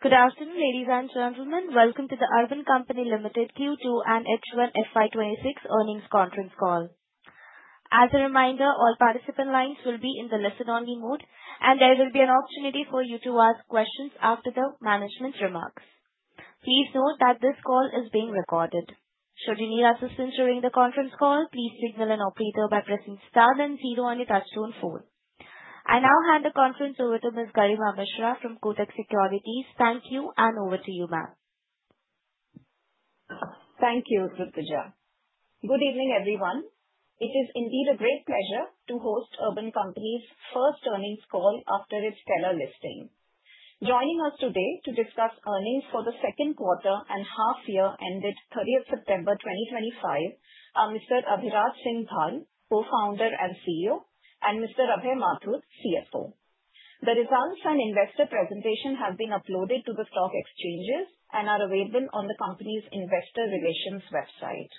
Good afternoon, ladies and gentlemen. Welcome to the Urban Company Limited Q2 and H1 FY26 earnings conference call. As a reminder, all participant lines will be in the listen-only mode, and there will be an opportunity for you to ask questions after the management's remarks. Please note that this call is being recorded. Should you need assistance during the conference call, please signal an operator by pressing star then zero on your touch-tone phone. I now hand the conference over to Ms. Garima Mishra from Kotak Securities. Thank you, and over to you, ma'am. Thank you, Rutuja. Good evening, everyone. It is indeed a great pleasure to host Urban Company's first earnings call after its stellar listing. Joining us today to discuss earnings for the second quarter and half-year ended 30th September 2025 are Mr. Abhiraj Singh Bhal, Co-founder and CEO, and Mr. Abhay Mathur, CFO. The results and investor presentation have been uploaded to the stock exchanges and are available on the company's investor relations website.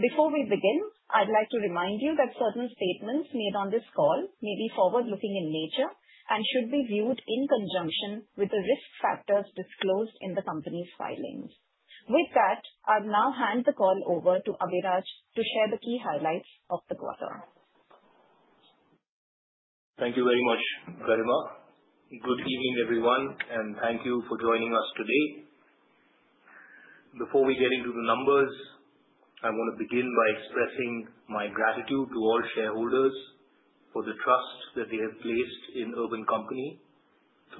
Before we begin, I'd like to remind you that certain statements made on this call may be forward-looking in nature and should be viewed in conjunction with the risk factors disclosed in the company's filings. With that, I'll now hand the call over to Abhiraj to share the key highlights of the quarter. Thank you very much, Garima. Good evening, everyone, and thank you for joining us today. Before we get into the numbers, I want to begin by expressing my gratitude to all shareholders for the trust that they have placed in Urban Company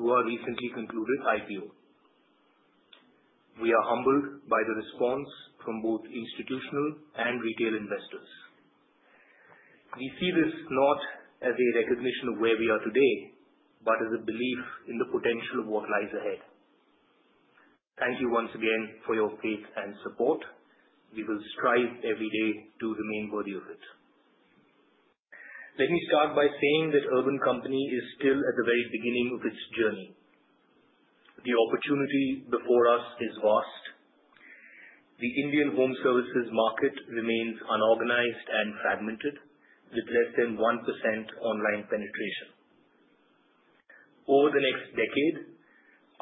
through our recently concluded IPO. We are humbled by the response from both institutional and retail investors. We see this not as a recognition of where we are today, but as a belief in the potential of what lies ahead. Thank you once again for your faith and support. We will strive every day to remain worthy of it. Let me start by saying that Urban Company is still at the very beginning of its journey. The opportunity before us is vast. The Indian home services market remains unorganized and fragmented, with less than 1% online penetration. Over the next decade,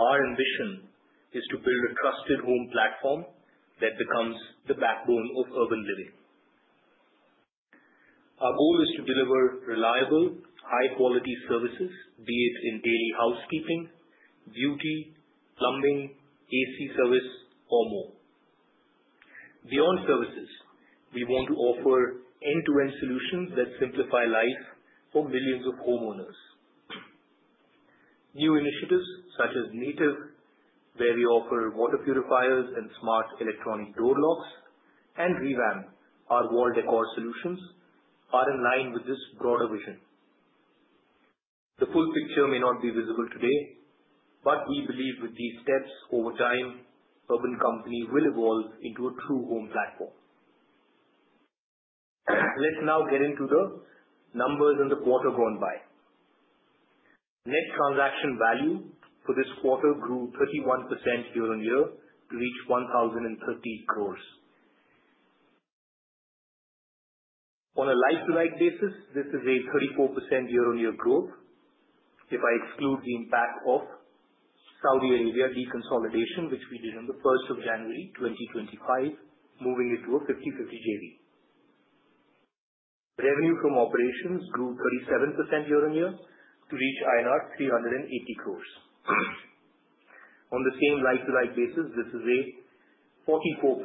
our ambition is to build a trusted home platform that becomes the backbone of urban living. Our goal is to deliver reliable, high-quality services, be it in daily housekeeping, beauty, plumbing, AC service, or more. Beyond services, we want to offer end-to-end solutions that simplify life for millions of homeowners. New initiatives such as Native, where we offer water purifiers and smart electronic door locks, and Revamp, our wall decor solutions, are in line with this broader vision. The full picture may not be visible today, but we believe with these steps over time, Urban Company will evolve into a true home platform. Let's now get into the numbers and the quarter gone by. Net transaction value for this quarter grew 31% year-on-year to reach 1,030 crores. On a like-to-like basis, this is a 34% year-on-year growth if I exclude the impact of Saudi Arabia deconsolidation, which we did on the 1st of January, 2025, moving it to a 50/50 JV. Revenue from operations grew 37% year-on-year to reach INR 380 crores. On the same like-to-like basis, this is a 44%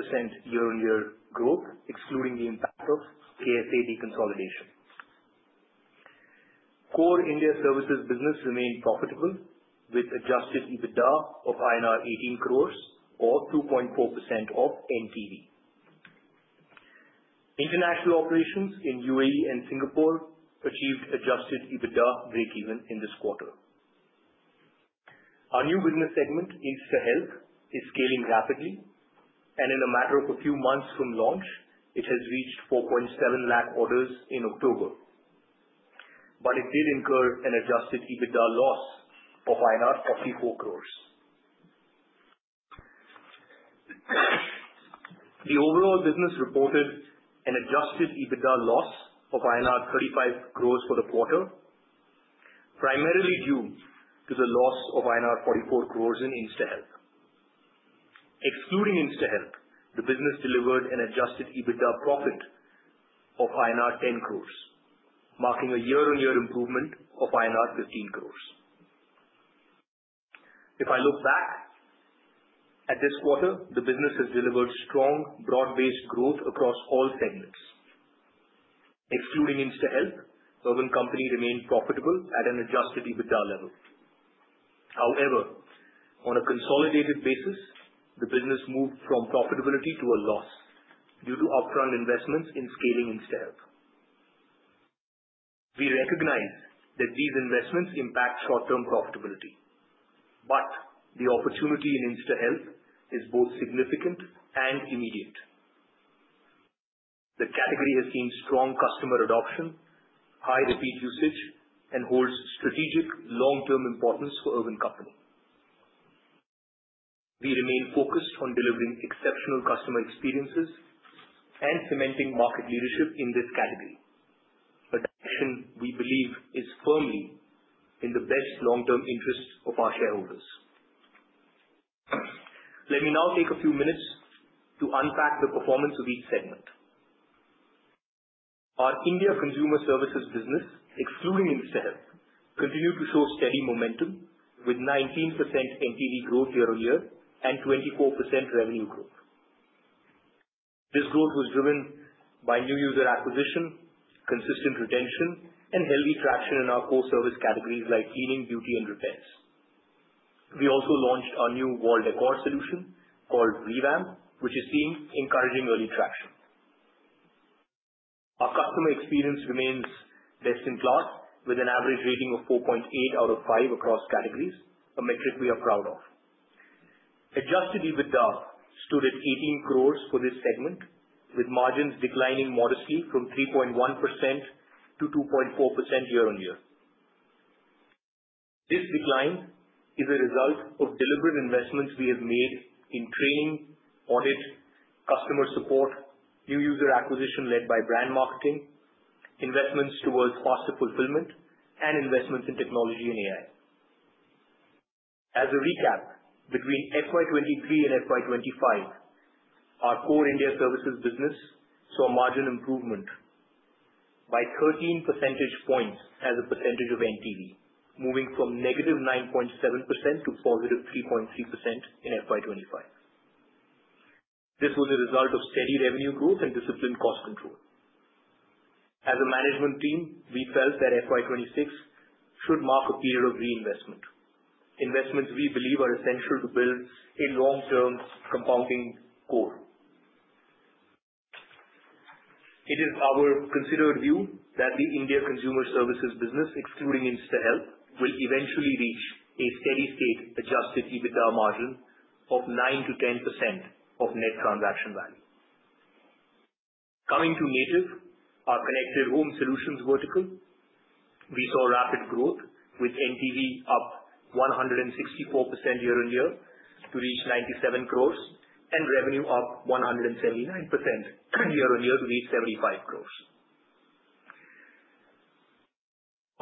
year-on-year growth, excluding the impact of KSA deconsolidation. Core India services business remained profitable with Adjusted EBITDA of INR 18 crores, or 2.4% of NTV. International operations in UAE and Singapore achieved Adjusted EBITDA break-even in this quarter. Our new business segment, InstaHealth, is scaling rapidly, and in a matter of a few months from launch, it has reached 4.7 lakh orders in October, but it did incur an Adjusted EBITDA loss of INR 44 crores. The overall business reported an adjusted EBITDA loss of INR 35 crores for the quarter, primarily due to the loss of INR 44 crores in InstaHealth. Excluding InstaHealth, the business delivered an adjusted EBITDA profit of INR 10 crores, marking a year-on-year improvement of INR 15 crores. If I look back at this quarter, the business has delivered strong, broad-based growth across all segments. Excluding InstaHealth, Urban Company remained profitable at an adjusted EBITDA level. However, on a consolidated basis, the business moved from profitability to a loss due to upfront investments in scaling InstaHealth. We recognize that these investments impact short-term profitability, but the opportunity in InstaHealth is both significant and immediate. The category has seen strong customer adoption, high repeat usage, and holds strategic long-term importance for Urban Company. We remain focused on delivering exceptional customer experiences and cementing market leadership in this category, a direction we believe is firmly in the best long-term interest of our shareholders. Let me now take a few minutes to unpack the performance of each segment. Our India consumer services business, excluding InstaHealth, continued to show steady momentum, with 19% NTV growth year-on-year and 24% revenue growth. This growth was driven by new user acquisition, consistent retention, and healthy traction in our core service categories like cleaning, beauty, and repairs. We also launched our new wall decor solution called Revamp, which is seeing encouraging early traction. Our customer experience remains best in class, with an average rating of 4.8 out of 5 across categories, a metric we are proud of. Adjusted EBITDA stood at 18 crores for this segment, with margins declining modestly from 3.1% to 2.4% year-on-year. This decline is a result of deliberate investments we have made in training, audit, customer support, new user acquisition led by brand marketing, investments towards faster fulfillment, and investments in technology and AI. As a recap, between FY23 and FY25, our core India services business saw margin improvement by 13 percentage points as a percentage of NTV, moving from -9.7% to +3.3% in FY25. This was a result of steady revenue growth and disciplined cost control. As a management team, we felt that FY26 should mark a period of reinvestment, investments we believe are essential to build a long-term compounding core. It is our considered view that the India consumer services business, excluding InstaHealth, will eventually reach a steady-state Adjusted EBITDA margin of 9%-10% of net transaction value. Coming to Native, our connected home solutions vertical, we saw rapid growth, with NTV up 164% year-on-year to reach 97 crores and revenue up 179% year-on-year to reach 75 crores.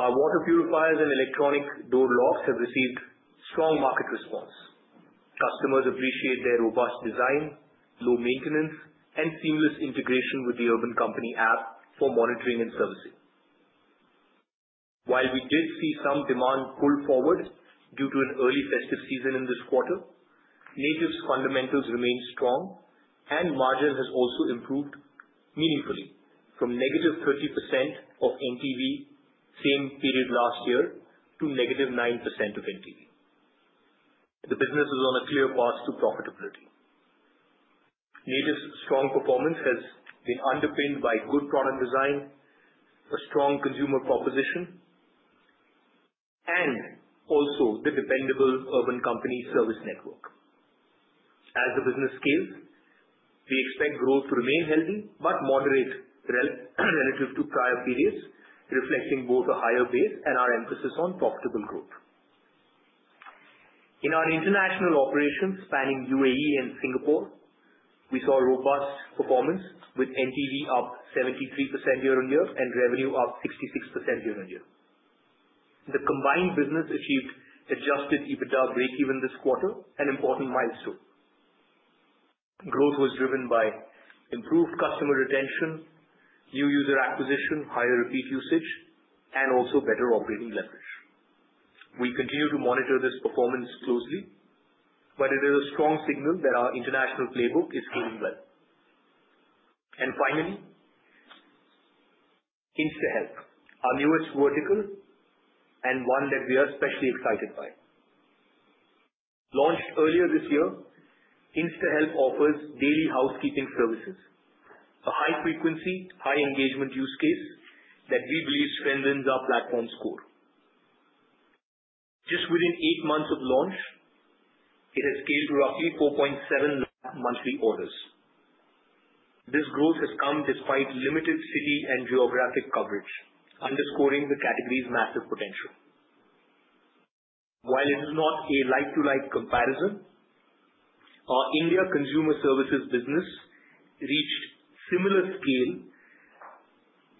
Our water purifiers and electronic door locks have received strong market response. Customers appreciate their robust design, low maintenance, and seamless integration with the Urban Company app for monitoring and servicing. While we did see some demand pull forward due to an early festive season in this quarter, Native's fundamentals remained strong, and margin has also improved meaningfully from negative 30% of NTV same period last year to negative 9% of NTV. The business is on a clear path to profitability. Native's strong performance has been underpinned by good product design, a strong consumer proposition, and also the dependable Urban Company service network. As the business scales, we expect growth to remain healthy but moderate relative to prior periods, reflecting both a higher base and our emphasis on profitable growth. In our international operations spanning UAE and Singapore, we saw robust performance, with NTV up 73% year-on-year and revenue up 66% year-on-year. The combined business achieved Adjusted EBITDA break-even this quarter, an important milestone. Growth was driven by improved customer retention, new user acquisition, higher repeat usage, and also better operating leverage. We continue to monitor this performance closely, but it is a strong signal that our international playbook is scaling well. And finally, InstaHealth, our newest vertical and one that we are especially excited by. Launched earlier this year, InstaHealth offers daily housekeeping services, a high-frequency, high-engagement use case that we believe strengthens our platform score. Just within eight months of launch, it has scaled to roughly 4.7 lakh monthly orders. This growth has come despite limited city and geographic coverage, underscoring the category's massive potential. While it is not a like-for-like comparison, our India consumer services business reached similar scale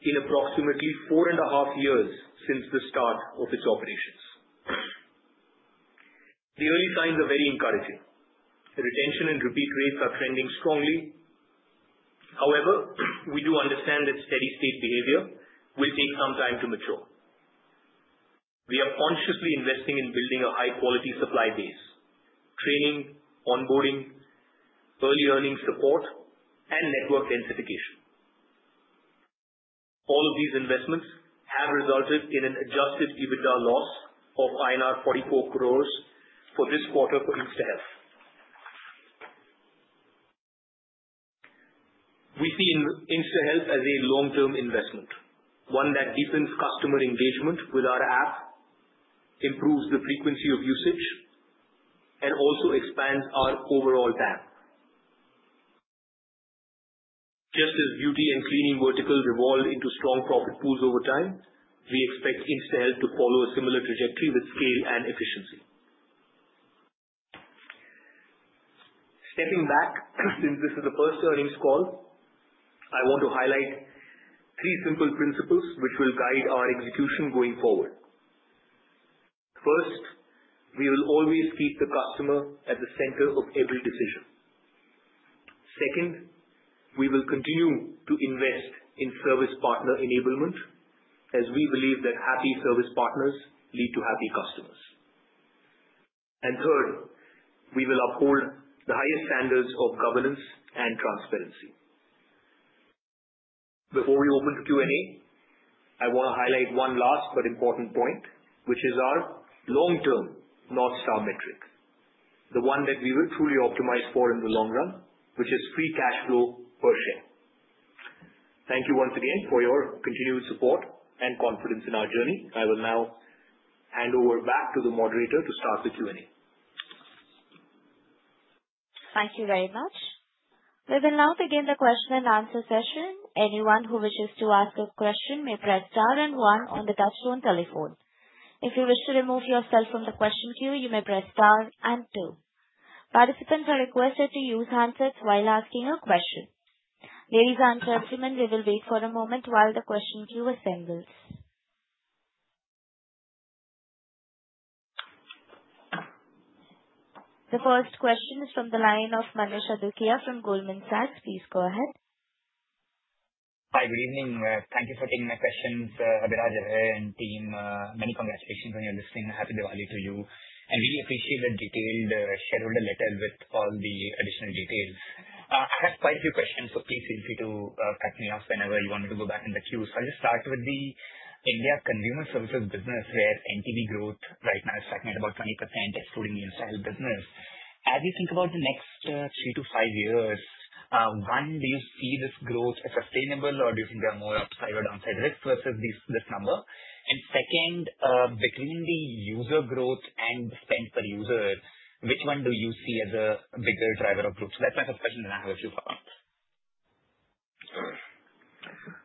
in approximately four and a half years since the start of its operations. The early signs are very encouraging. Retention and repeat rates are trending strongly. However, we do understand that steady-state behavior will take some time to mature. We are consciously investing in building a high-quality supply base, training, onboarding, early earning support, and network densification. All of these investments have resulted in an adjusted EBITDA loss of INR 44 crores for this quarter for InstaHealth. We see InstaHealth as a long-term investment, one that deepens customer engagement with our app, improves the frequency of usage, and also expands our overall brand. Just as beauty and cleaning verticals evolve into strong profit pools over time, we expect InstaHealth to follow a similar trajectory with scale and efficiency. Stepping back, since this is the first earnings call, I want to highlight three simple principles which will guide our execution going forward. First, we will always keep the customer at the center of every decision. Second, we will continue to invest in service partner enablement, as we believe that happy service partners lead to happy customers. And third, we will uphold the highest standards of governance and transparency. Before we open to Q&A, I want to highlight one last but important point, which is our long-term North Star metric, the one that we will truly optimize for in the long run, which is free cash flow per share. Thank you once again for your continued support and confidence in our journey. I will now hand over back to the moderator to start the Q&A. Thank you very much. We will now begin the question and answer session. Anyone who wishes to ask a question may press star and one on the touchscreen telephone. If you wish to remove yourself from the question queue, you may press star and two. Participants are requested to use handsets while asking a question. Ladies and gentlemen, we will wait for a moment while the question queue assembles. The first question is from the line of Manish Adukia from Goldman Sachs. Please go ahead. Hi, good evening. Thank you for taking my questions, Abhiraj and team. Many congratulations on your listing. Happy Diwali to you, and really appreciate the detailed shareholder letter with all the additional details. I have quite a few questions, so please feel free to cut me off whenever you want me to go back in the queue so I'll just start with the India consumer services business, where NTV growth right now is stagnant about 20%, excluding the InstaHealth business. As you think about the next three to five years, one, do you see this growth as sustainable, or do you think there are more upside or downside risks versus this number? And second, between the user growth and the spend per user, which one do you see as a bigger driver of growth so that's my first question, and I have a few follow-ups.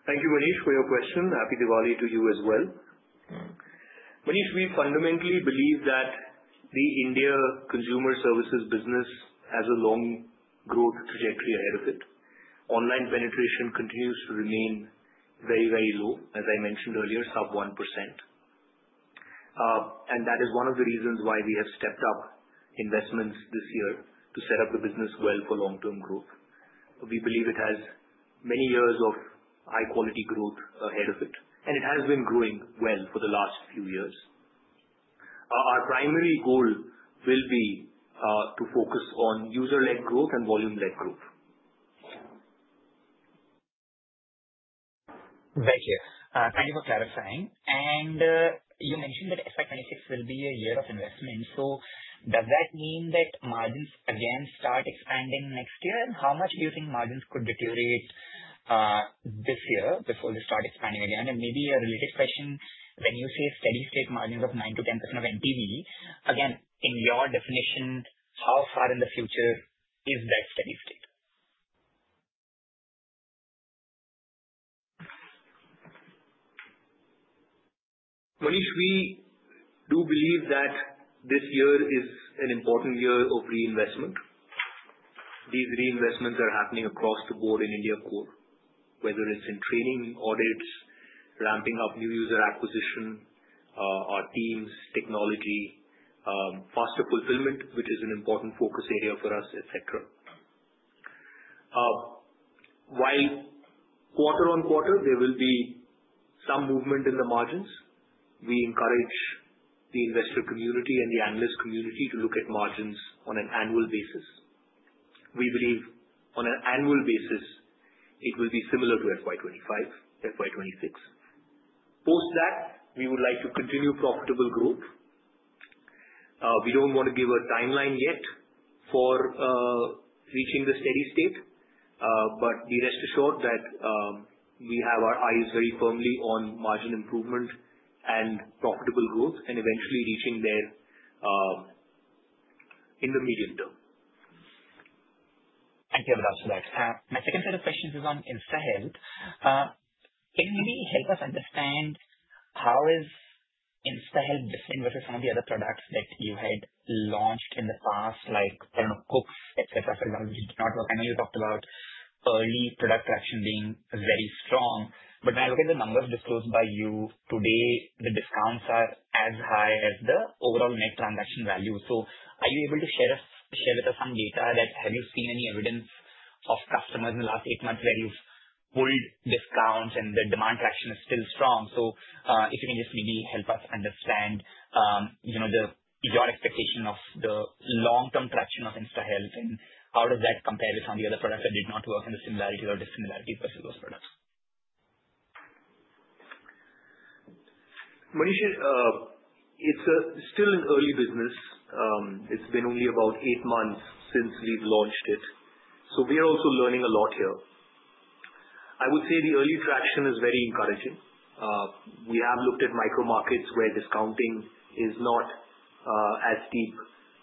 Thank you, Manish, for your question. Happy Diwali to you as well. Manish, we fundamentally believe that the India consumer services business has a long growth trajectory ahead of it. Online penetration continues to remain very, very low, as I mentioned earlier, sub 1%, and that is one of the reasons why we have stepped up investments this year to set up the business well for long-term growth. We believe it has many years of high-quality growth ahead of it, and it has been growing well for the last few years. Our primary goal will be to focus on user-led growth and volume-led growth. Thank you. Thank you for clarifying. And you mentioned that FY26 will be a year of investment. So does that mean that margins again start expanding next year? And how much do you think margins could deteriorate this year before they start expanding again? And maybe a related question, when you say steady-state margins of 9%-10% of NTV, again, in your definition, how far in the future is that steady-state? Manish, we do believe that this year is an important year of reinvestment. These reinvestments are happening across the board in India core, whether it's in training, audits, ramping up new user acquisition, our teams, technology, faster fulfillment, which is an important focus area for us, etc. While quarter on quarter, there will be some movement in the margins, we encourage the investor community and the analyst community to look at margins on an annual basis. We believe on an annual basis, it will be similar to FY25, FY26. Post that, we would like to continue profitable growth. We don't want to give a timeline yet for reaching the steady state, but be rest assured that we have our eyes very firmly on margin improvement and profitable growth and eventually reaching there in the medium term. Thank you for that. My second set of questions is on InstaHealth. Can you maybe help us understand how is InstaHealth different versus some of the other products that you had launched in the past, like, I don't know, Cooks, etc., for example, which did not work? I know you talked about early product traction being very strong, but when I look at the numbers disclosed by you today, the discounts are as high as the overall net transaction value. So are you able to share with us some data that have you seen any evidence of customers in the last eight months where you've pulled discounts and the demand traction is still strong? So if you can just maybe help us understand your expectation of the long-term traction of InstaHealth and how does that compare with some of the other products that did not work and the similarities or dissimilarities versus those products? Manish, it's still an early business. It's been only about eight months since we've launched it. So we are also learning a lot here. I would say the early traction is very encouraging. We have looked at micro markets where discounting is not as deep,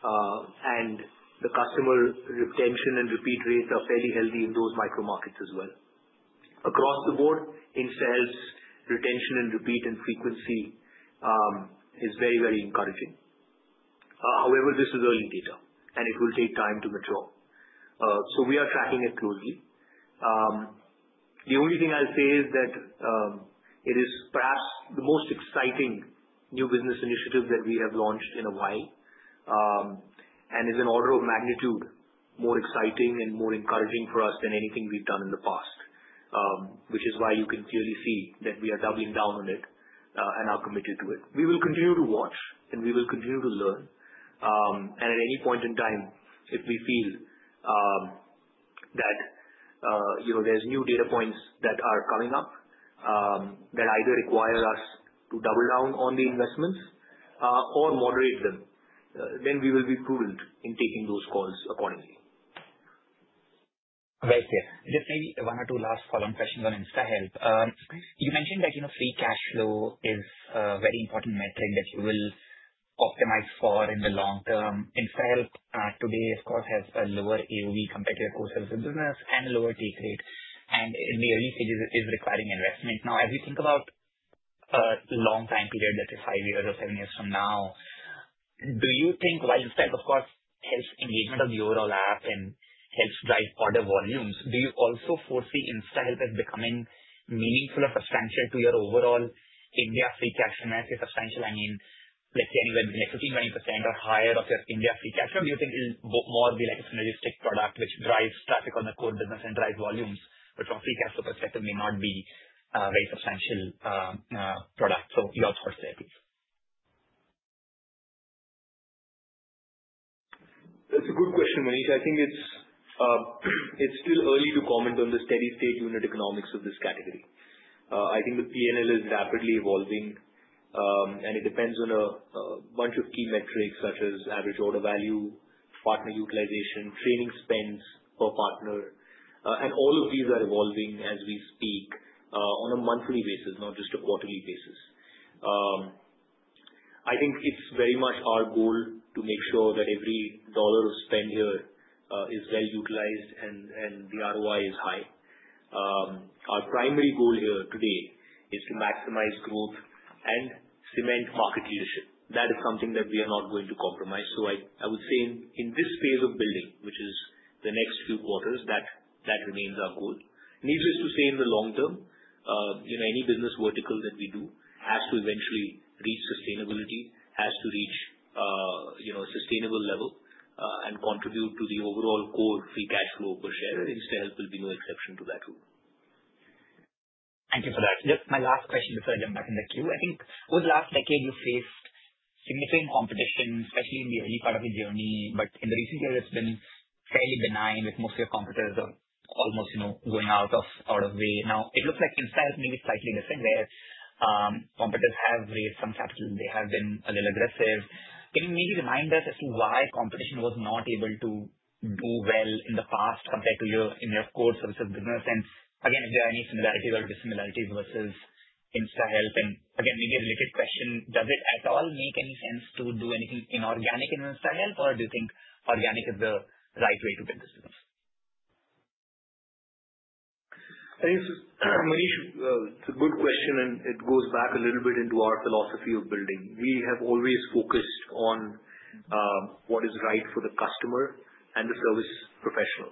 and the customer retention and repeat rates are fairly healthy in those micro markets as well. Across the board, InstaHealth's retention and repeat and frequency is very, very encouraging. However, this is early data, and it will take time to mature. So we are tracking it closely. The only thing I'll say is that it is perhaps the most exciting new business initiative that we have launched in a while and is, in order of magnitude, more exciting and more encouraging for us than anything we've done in the past, which is why you can clearly see that we are doubling down on it and are committed to it. We will continue to watch, and we will continue to learn, and at any point in time, if we feel that there's new data points that are coming up that either require us to double down on the investments or moderate them, then we will be prudent in taking those calls accordingly. Very clear. Just maybe one or two last follow-up questions on InstaHealth. You mentioned that free cash flow is a very important metric that you will optimize for in the long term. InstaHealth today, of course, has a lower AOV compared to your core services business and a lower take rate, and in the early stages, it is requiring investment. Now, as we think about a long time period, let's say five years or seven years from now, do you think, while InstaHealth, of course, helps engagement of the overall app and helps drive order volumes, do you also foresee InstaHealth as becoming meaningful or substantial to your overall India free cash flow? When I say substantial, I mean, let's say anywhere between 15%-20% or higher of your India free cash flow. Do you think it'll more be like a synergistic product which drives traffic on the core business and drives volumes, which from a free cash flow perspective may not be a very substantial product? So your thoughts there, please. That's a good question, Manish. I think it's still early to comment on the steady-state unit economics of this category. I think the P&L is rapidly evolving, and it depends on a bunch of key metrics such as average order value, partner utilization, training spends per partner, and all of these are evolving as we speak on a monthly basis, not just a quarterly basis. I think it's very much our goal to make sure that every dollar spent here is well utilized and the ROI is high. Our primary goal here today is to maximize growth and cement market leadership. That is something that we are not going to compromise. So I would say in this phase of building, which is the next few quarters, that remains our goal. Needless to say, in the long term, any business vertical that we do has to eventually reach sustainability, has to reach a sustainable level, and contribute to the overall core free cash flow per share. InstaHealth will be no exception to that rule. Thank you for that. Just my last question before I jump back in the queue. I think over the last decade, you faced significant competition, especially in the early part of your journey, but in the recent year, it's been fairly benign with most of your competitors almost going out of the way. Now, it looks like InstaHealth may be slightly different, where competitors have raised some capital. They have been a little aggressive. Can you maybe remind us as to why competition was not able to do well in the past compared to your core services business? And again, if there are any similarities or dissimilarities versus InstaHealth. And again, maybe a related question, does it at all make any sense to do anything inorganic in InstaHealth, or do you think organic is the right way to build this business? Manish, it's a good question, and it goes back a little bit into our philosophy of building. We have always focused on what is right for the customer and the service professional.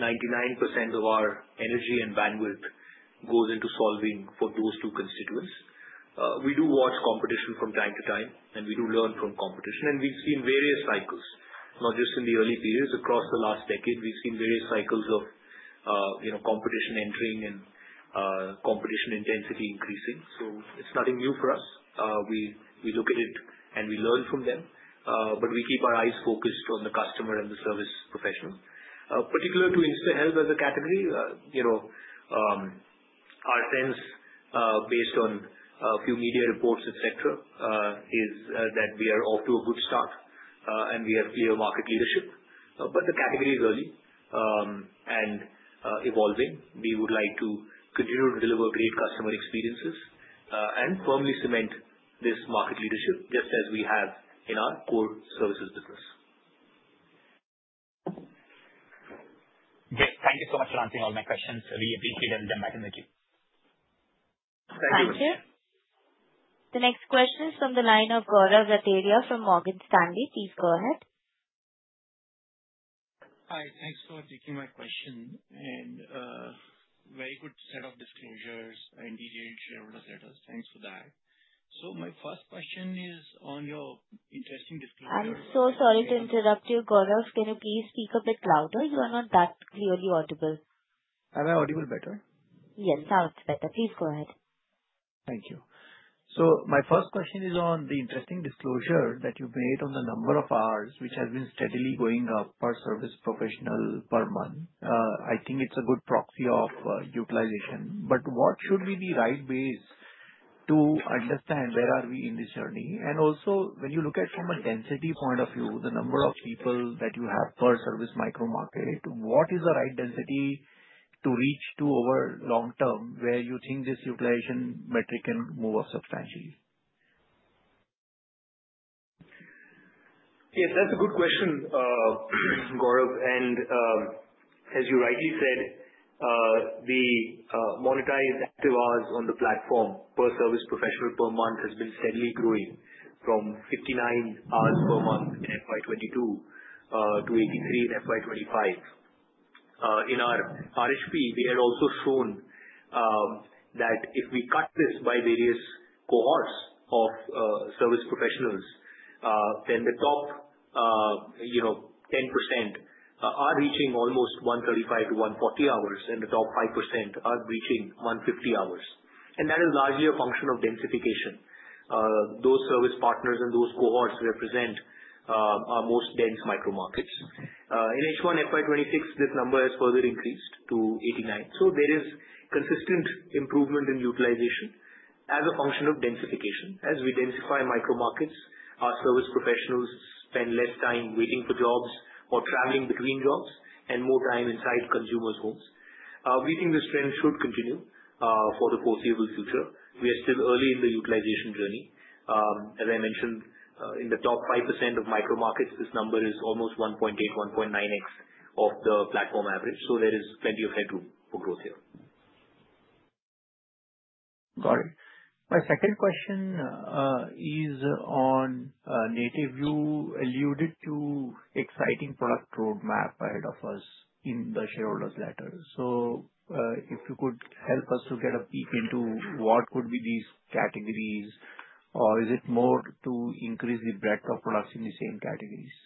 99% of our energy and bandwidth goes into solving for those two constituents. We do watch competition from time to time, and we do learn from competition. And we've seen various cycles, not just in the early periods. Across the last decade, we've seen various cycles of competition entering and competition intensity increasing. So it's nothing new for us. We look at it and we learn from them, but we keep our eyes focused on the customer and the service professional. Particular to InstaHealth as a category, our sense based on a few media reports, etc., is that we are off to a good start and we have clear market leadership. But the category is early and evolving. We would like to continue to deliver great customer experiences and firmly cement this market leadership just as we have in our core services business. Great. Thank you so much for answering all my questions. Really appreciate it. I'll jump back in the queue. Thank you, The next question is from the line of Gaurav Rateria from Morgan Stanley. Please go ahead. Hi. Thanks for taking my question and very good set of disclosures and detailed shareholder status. Thanks for that. So my first question is on your interesting disclosure. I'm so sorry to interrupt you, Gaurav. Can you please speak a bit louder? You are not that clearly audible. Am I audible better? Yes, now it's better. Please go ahead. Thank you. So my first question is on the interesting disclosure that you've made on the number of hours which has been steadily going up per service professional per month. I think it's a good proxy of utilization. But what should be the right base to understand where are we in this journey? And also, when you look at from a density point of view, the number of people that you have per service micro market, what is the right density to reach to over long term where you think this utilization metric can move up substantially? Yes, that's a good question, Gaurav. And as you rightly said, the monetized active hours on the platform per service professional per month has been steadily growing from 59 hours per month in FY22 to 83 in FY25. In our RHP, we had also shown that if we cut this by various cohorts of service professionals, then the top 10% are reaching almost 135-140 hours, and the top 5% are reaching 150 hours. And that is largely a function of densification. Those service partners and those cohorts represent our most dense micro markets. In H1, FY26, this number has further increased to 89. So there is consistent improvement in utilization as a function of densification. As we densify micro markets, our service professionals spend less time waiting for jobs or traveling between jobs and more time inside consumers' homes. We think this trend should continue for the foreseeable future. We are still early in the utilization journey. As I mentioned, in the top 5% of micro markets, this number is almost 1.8-1.9x of the platform average. So there is plenty of headroom for growth here. Got it. My second question is on Native, alluded to exciting product roadmap ahead of us in the shareholders' letter. So if you could help us to get a peek into what could be these categories, or is it more to increase the breadth of products in the same categories?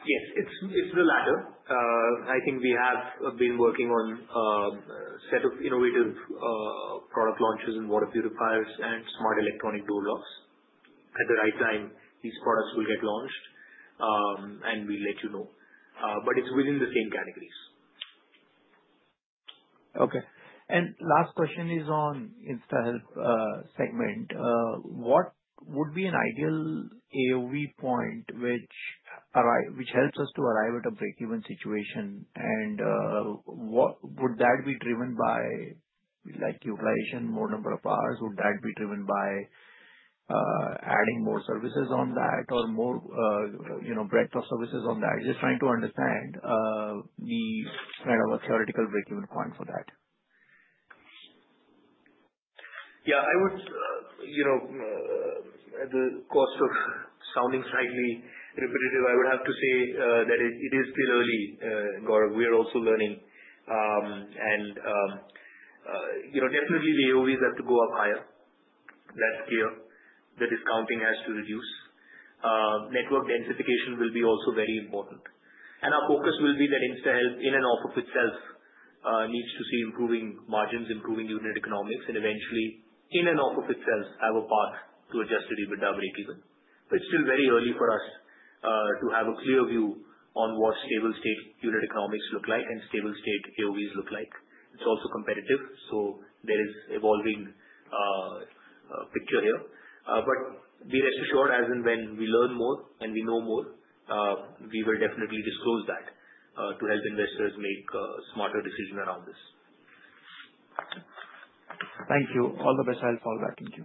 Yes, it's the latter. I think we have been working on a set of innovative product launches in water purifiers and smart electronic door locks. At the right time, these products will get launched, and we'll let you know. But it's within the same categories. Okay. Last question is on InstaHealth segment. What would be an ideal AOV point which helps us to arrive at a break-even situation? Would that be driven by utilization, more number of hours? Would that be driven by adding more services on that or more breadth of services on that? Just trying to understand the kind of a theoretical break-even point for that. Yeah. At the cost of sounding slightly repetitive, I would have to say that it is still early, Gaurav. We are also learning. And definitely, the AOVs have to go up higher. That's clear. The discounting has to reduce. Network densification will be also very important. And our focus will be that InstaHealth in and of itself needs to see improving margins, improving unit economics, and eventually, in and of itself, have a path to adjusted EBITDA break-even. But it's still very early for us to have a clear view on what stable-state unit economics look like and stable-state AOVs look like. It's also competitive, so there is an evolving picture here. But be rest assured, as and when we learn more and we know more, we will definitely disclose that to help investors make a smarter decision around this. Thank you. All the best. I'll fall back into.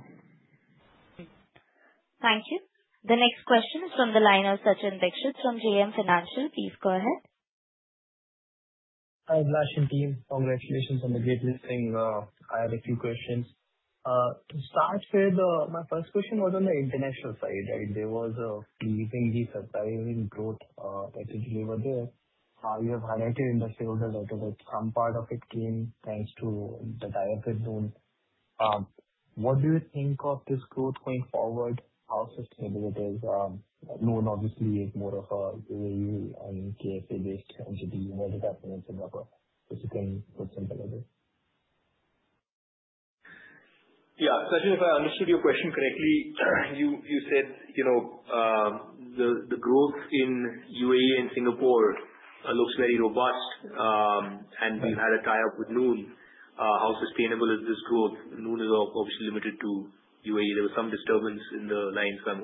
Thank you. The next question is from the line of Sachin Dixit from JM Financial. Please go ahead. Hi, I'm Lashin Team. Congratulations on the great listing. I had a few questions. To start with, my first question was on the international side, right? There was a pleasingly surprising growth that you delivered there. You have highlighted in the shareholder letter that some part of it came thanks to the beauty zone. What do you think of this growth going forward? How sustainable it is? Noon, obviously, is more of a UAE and KSA-based entity. What is happening in Singapore? If you can put it simply as is. Yeah. Sachin, if I understood your question correctly, you said the growth in UAE and Singapore looks very robust, and we've had a tie-up with Noon. How sustainable is this growth? Noon is obviously limited to UAE. There was some disturbance in the lines. I'm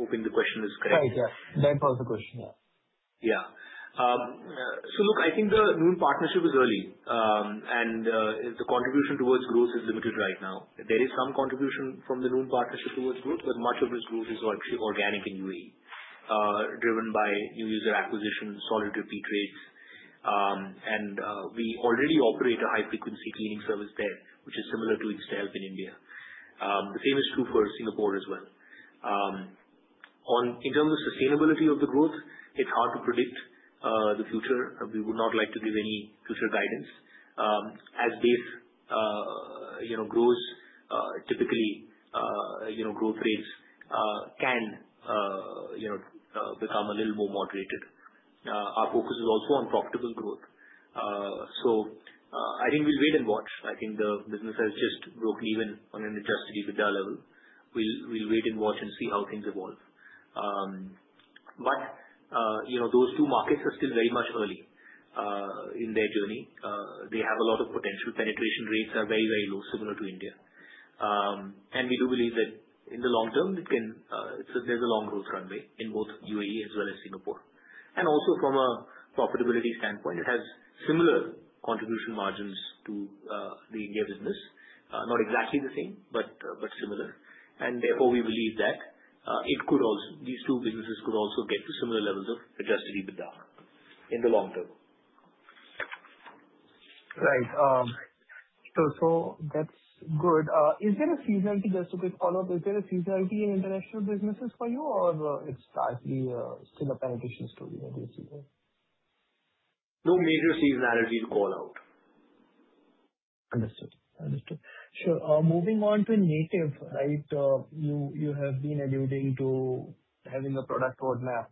hoping the question is correct. Right. Yeah. Then pose the question. Yeah. Yeah. So look, I think the Noon partnership is early, and the contribution towards growth is limited right now. There is some contribution from the Noon partnership towards growth, but much of this growth is actually organic in UAE, driven by new user acquisition, solid repeat rates. And we already operate a high-frequency cleaning service there, which is similar to InstaHealth in India. The same is true for Singapore as well. In terms of sustainability of the growth, it's hard to predict the future. We would not like to give any future guidance. As base grows, typically, growth rates can become a little more moderated. Our focus is also on profitable growth. So I think we'll wait and watch. I think the business has just broken even on an Adjusted EBITDA level. We'll wait and watch and see how things evolve. But those two markets are still very much early in their journey. They have a lot of potential. Penetration rates are very, very low, similar to India. And we do believe that in the long term, there's a long growth runway in both UAE as well as Singapore. And also, from a profitability standpoint, it has similar contribution margins to the India business. Not exactly the same, but similar. And therefore, we believe that these two businesses could also get to similar levels of Adjusted EBITDA in the long term. Right. So that's good. Is there a seasonality? Just a quick follow-up. Is there a seasonality in international businesses for you, or it's largely still a penetration story in this sense? No major seasonality to call out. Understood. Understood. Sure. Moving on to Native, right? You have been alluding to having a product roadmap.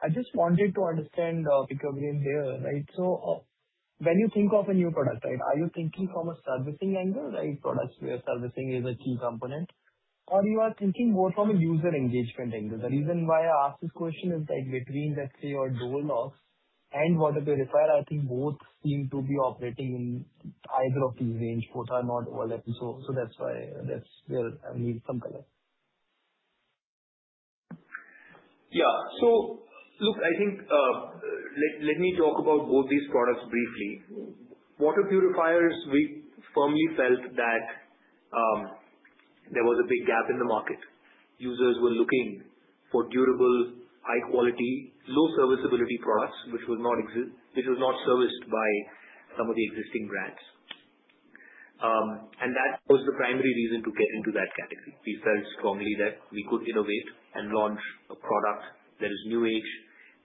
I just wanted to understand because we're in there, right? So when you think of a new product, right, are you thinking from a servicing angle, right? Products where servicing is a key component, or you are thinking more from a user engagement angle? The reason why I ask this question is that between, let's say, your door locks and water purifier, I think both seem to be operating in either of these range. Both are not overlapping, so that's where I need some color. Yeah. So look, I think let me talk about both these products briefly. Water purifiers, we firmly felt that there was a big gap in the market. Users were looking for durable, high-quality, low-serviceability products, which was not serviced by some of the existing brands. And that was the primary reason to get into that category. We felt strongly that we could innovate and launch a product that is new-age,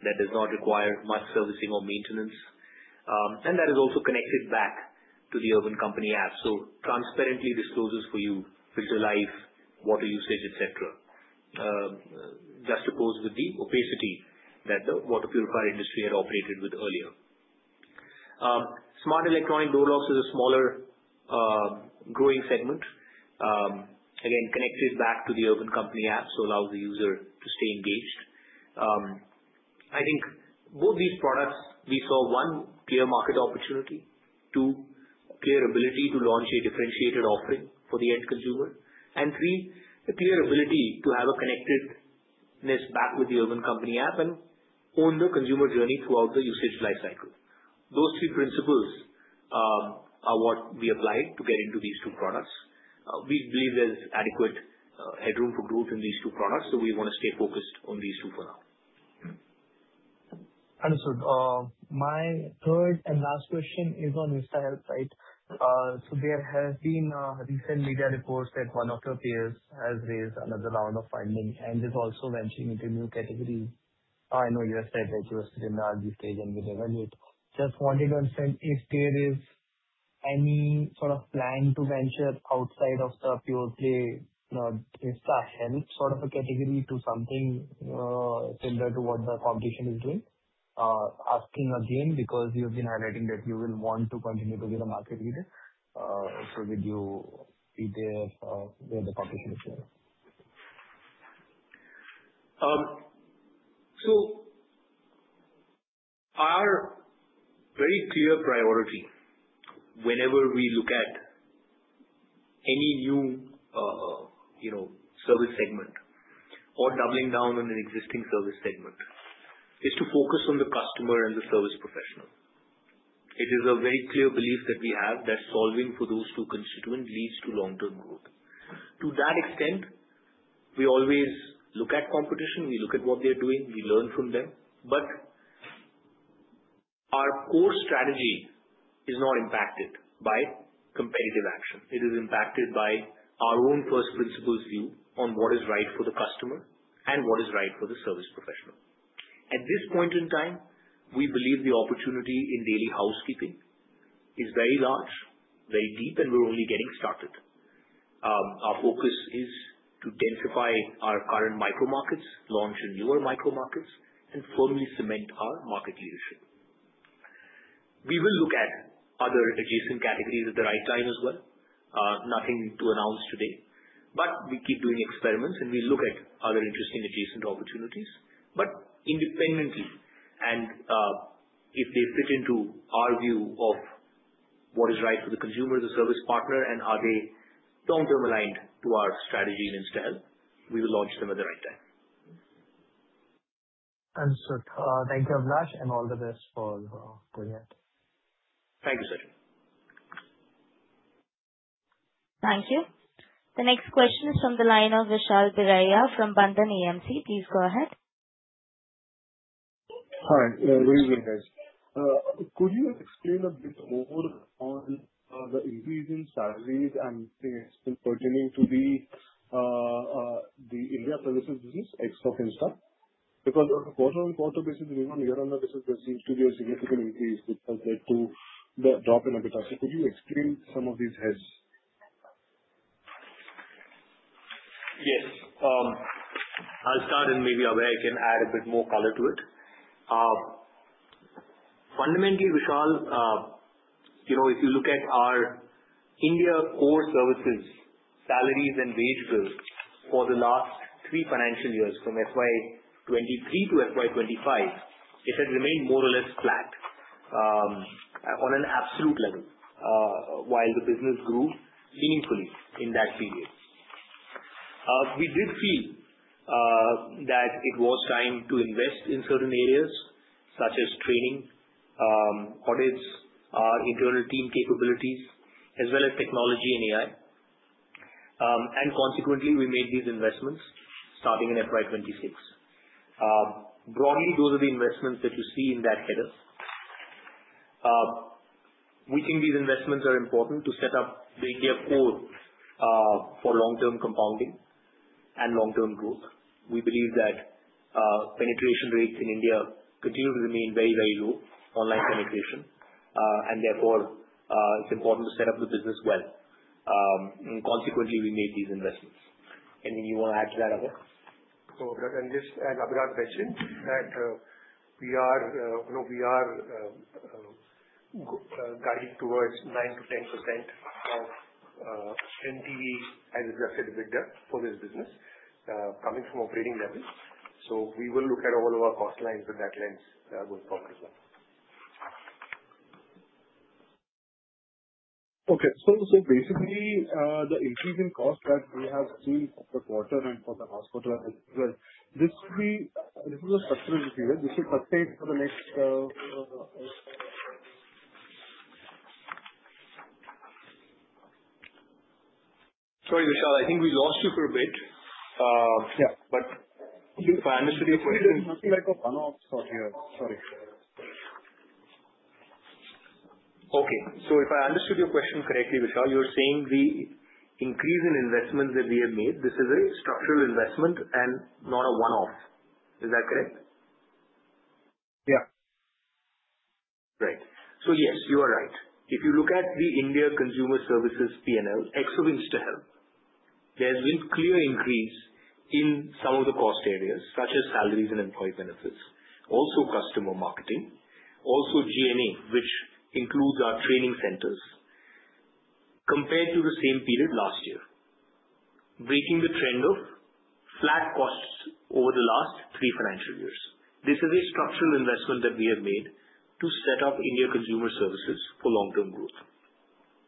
that does not require much servicing or maintenance, and that is also connected back to the Urban Company app. So transparently discloses for you filter life, water usage, etc., juxtaposed with the opacity that the water purifier industry had operated with earlier. Smart electronic door locks is a smaller growing segment, again, connected back to the Urban Company app, so allows the user to stay engaged. I think both these products, we saw one, clear market opportunity, two, clear ability to launch a differentiated offering for the end consumer, and three, a clear ability to have a connectedness back with the Urban Company app and own the consumer journey throughout the usage lifecycle. Those three principles are what we applied to get into these two products. We believe there's adequate headroom for growth in these two products, so we want to stay focused on these two for now. Understood. My third and last question is on InstaHealth, right? So there have been recent media reports that one of your peers has raised another round of funding and is also venturing into new categories. I know you have said that you are still in the early stage and will evaluate. Just wanted to understand if there is any sort of plan to venture outside of the pure play InstaHealth sort of a category to something similar to what the competition is doing. Asking again because you've been highlighting that you will want to continue to be the market leader. So would you be there where the competition is there? So our very clear priority whenever we look at any new service segment or doubling down on an existing service segment is to focus on the customer and the service professional. It is a very clear belief that we have that solving for those two constituents leads to long-term growth. To that extent, we always look at competition. We look at what they're doing. We learn from them. But our core strategy is not impacted by competitive action. It is impacted by our own first principles view on what is right for the customer and what is right for the service professional. At this point in time, we believe the opportunity in daily housekeeping is very large, very deep, and we're only getting started. Our focus is to densify our current micro markets, launch newer micro markets, and firmly cement our market leadership. We will look at other adjacent categories at the right time as well. Nothing to announce today. But we keep doing experiments, and we look at other interesting adjacent opportunities. But independently, and if they fit into our view of what is right for the consumer, the service partner, and are they long-term aligned to our strategy in InstaHealth, we will launch them at the right time. Understood. Thank you, Avilash, and all the best for doing it. Thank you, Sachin. Thank you. The next question is from the line of Vishal Biraia from Bandhan AMC. Please go ahead. Hi. Very good, guys. Could you explain a bit more on the increase in salaries and things pertaining to the India services business except Insta? Because on a quarter-on-quarter basis, we want to get on the business, there seems to be a significant increase that led to the drop in EBITDA. So could you explain some of these heads? Yes. I'll start, and maybe Abhay can add a bit more color to it. Fundamentally, Vishal, if you look at our India core services, salaries, and wage bill for the last three financial years from FY23 to FY25, it had remained more or less flat on an absolute level, while the business grew meaningfully in that period. We did feel that it was time to invest in certain areas such as training, audits, our internal team capabilities, as well as technology and AI. And consequently, we made these investments starting in FY26. Broadly, those are the investments that you see in that header. We think these investments are important to set up the India core for long-term compounding and long-term growth. We believe that penetration rates in India continue to remain very, very low, online penetration, and therefore, it's important to set up the business well. Consequently, we made these investments. Anything you want to add to that, Abhay? Just as Avilash mentioned, that we are guiding towards 9%-10% of NTV as Adjusted EBITDA for this business coming from operating level. We will look at all of our cost lines with that lens going forward as well. Okay. So basically, the increase in cost that we have seen for the quarter and for the last quarter, as well, this will be a structural decision. This will pertain to the next. Sorry, Vishal. I think we lost you for a bit. But if I understood your question. It's nothing like a one-off, so here. Sorry. Okay. So if I understood your question correctly, Vishal, you're saying the increase in investments that we have made, this is a structural investment and not a one-off. Is that correct? Yeah. Right. So yes, you are right. If you look at the India consumer services P&L except InstaHealth, there has been a clear increase in some of the cost areas such as salaries and employee benefits, also customer marketing, also G&A, which includes our training centers, compared to the same period last year, breaking the trend of flat costs over the last three financial years. This is a structural investment that we have made to set up India consumer services for long-term growth.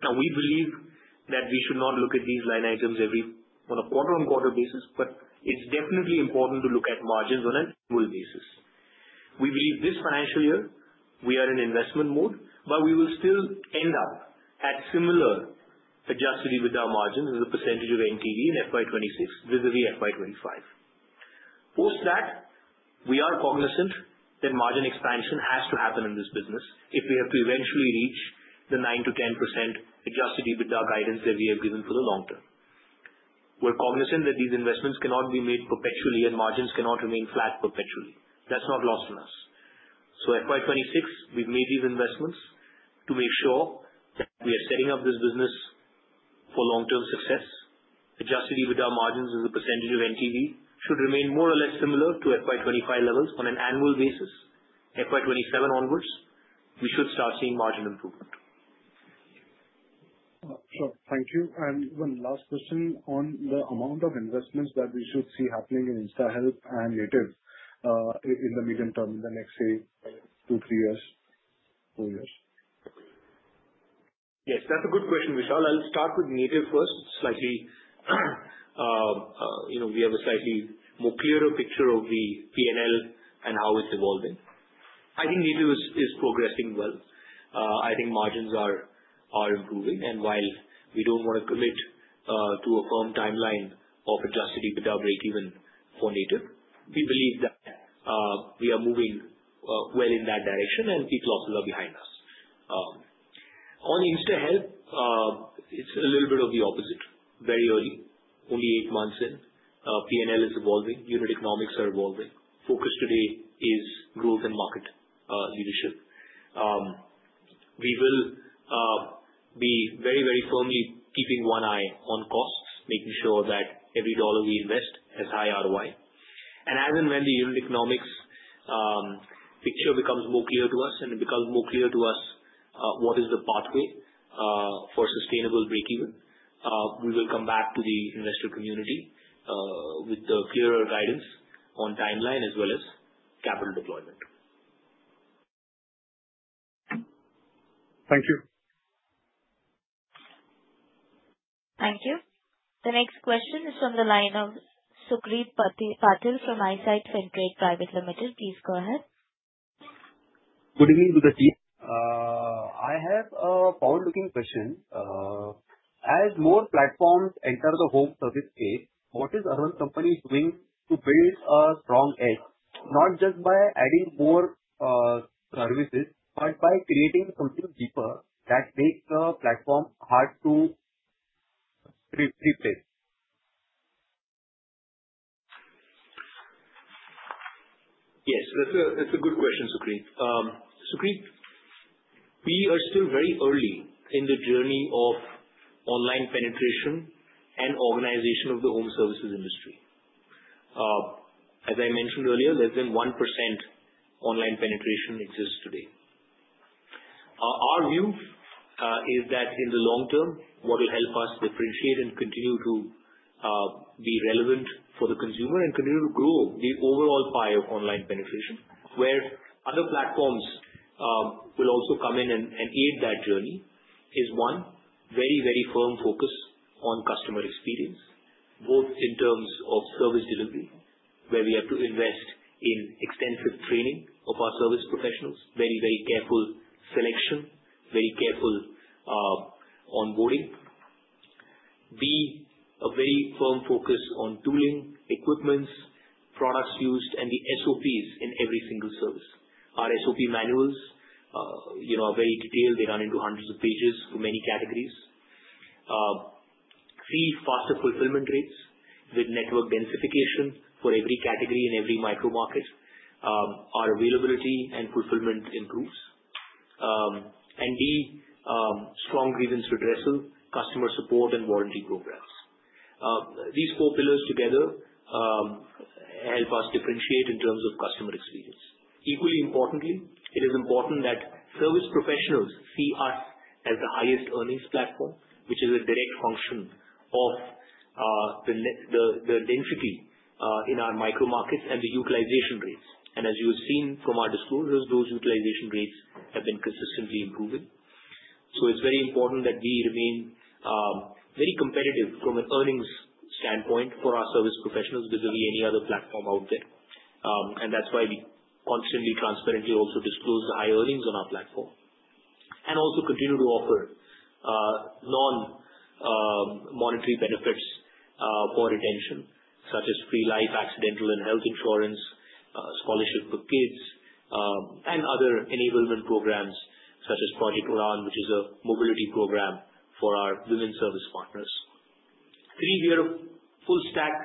Now, we believe that we should not look at these line items on a quarter-on-quarter basis, but it's definitely important to look at margins on an annual basis. We believe this financial year, we are in investment mode, but we will still end up at similar adjusted EBITDA margins as a percentage of NTV in FY26 vis-à-vis FY25. Post that, we are cognizant that margin expansion has to happen in this business if we have to eventually reach the 9%-10% Adjusted EBITDA guidance that we have given for the long term. We're cognizant that these investments cannot be made perpetually and margins cannot remain flat perpetually. That's not lost on us. So FY26, we've made these investments to make sure that we are setting up this business for long-term success. Adjusted EBITDA margins as a percentage of NTV should remain more or less similar to FY25 levels on an annual basis. FY27 onwards, we should start seeing margin improvement. Sure. Thank you. And one last question on the amount of investments that we should see happening in InstaHealth and Native in the medium term in the next, say, two, three years, four years? Yes. That's a good question, Vishal. I'll start with Native first. We have a slightly more clearer picture of the P&L and how it's evolving. I think Native is progressing well. I think margins are improving. And while we don't want to commit to a firm timeline of adjusted EBITDA break-even for Native, we believe that we are moving well in that direction, and the losses are behind us. On InstaHealth, it's a little bit of the opposite. Very early, only eight months in, P&L is evolving. Unit economics are evolving. Focus today is growth and market leadership. We will be very, very firmly keeping one eye on costs, making sure that every dollar we invest has high ROI. As and when the unit economics picture becomes more clear to us and it becomes more clear to us what is the pathway for sustainable break-even, we will come back to the investor community with the clearer guidance on timeline as well as capital deployment. Thank you. Thank you. The next question is from the line of Sugreet Patil from Eyesight FinTrade Private Limited. Please go ahead. Good evening, Sugreet. I have a forward-looking question. As more platforms enter the home service space, what is Urban Company doing to build a strong edge, not just by adding more services, but by creating something deeper that makes the platform hard to replace? Yes. That's a good question, Sugreet. Sugreet, we are still very early in the journey of online penetration and organization of the home services industry. As I mentioned earlier, less than 1% online penetration exists today. Our view is that in the long term, what will help us differentiate and continue to be relevant for the consumer and continue to grow the overall pie of online penetration, where other platforms will also come in and aid that journey, is one, very, very firm focus on customer experience, both in terms of service delivery, where we have to invest in extensive training of our service professionals, very, very careful selection, very careful onboarding, be a very firm focus on tooling, equipment, products used, and the SOPs in every single service. Our SOP manuals are very detailed. They run into hundreds of pages for many categories. see faster fulfillment rates with network densification for every category in every micro-market. Our availability and fulfillment improve, and we have strong grievance redressal, customer support, and warranty programs. These four pillars together help us differentiate in terms of customer experience. Equally importantly, it is important that service professionals see us as the highest earnings platform, which is a direct function of the density in our micro-markets and the utilization rates. And as you have seen from our disclosures, those utilization rates have been consistently improving, so it's very important that we remain very competitive from an earnings standpoint for our service professionals vis-à-vis any other platform out there. That's why we constantly, transparently also disclose the high earnings on our platform and also continue to offer non-monetary benefits for retention, such as free life, accidental and health insurance, scholarship for kids, and other enablement programs such as Project Udaan, which is a mobility program for our women's service partners. Three, we are a full-stack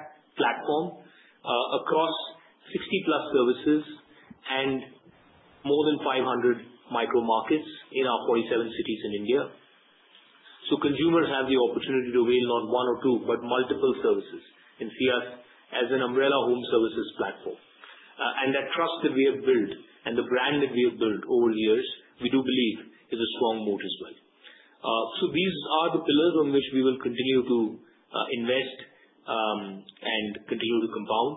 platform across 60+ services and more than 500 micro-markets in our 47 cities in India. Consumers have the opportunity to avail not one or two, but multiple services and see us as an umbrella home services platform. That trust that we have built and the brand that we have built over the years, we do believe is a strong moat as well. These are the pillars on which we will continue to invest and continue to compound.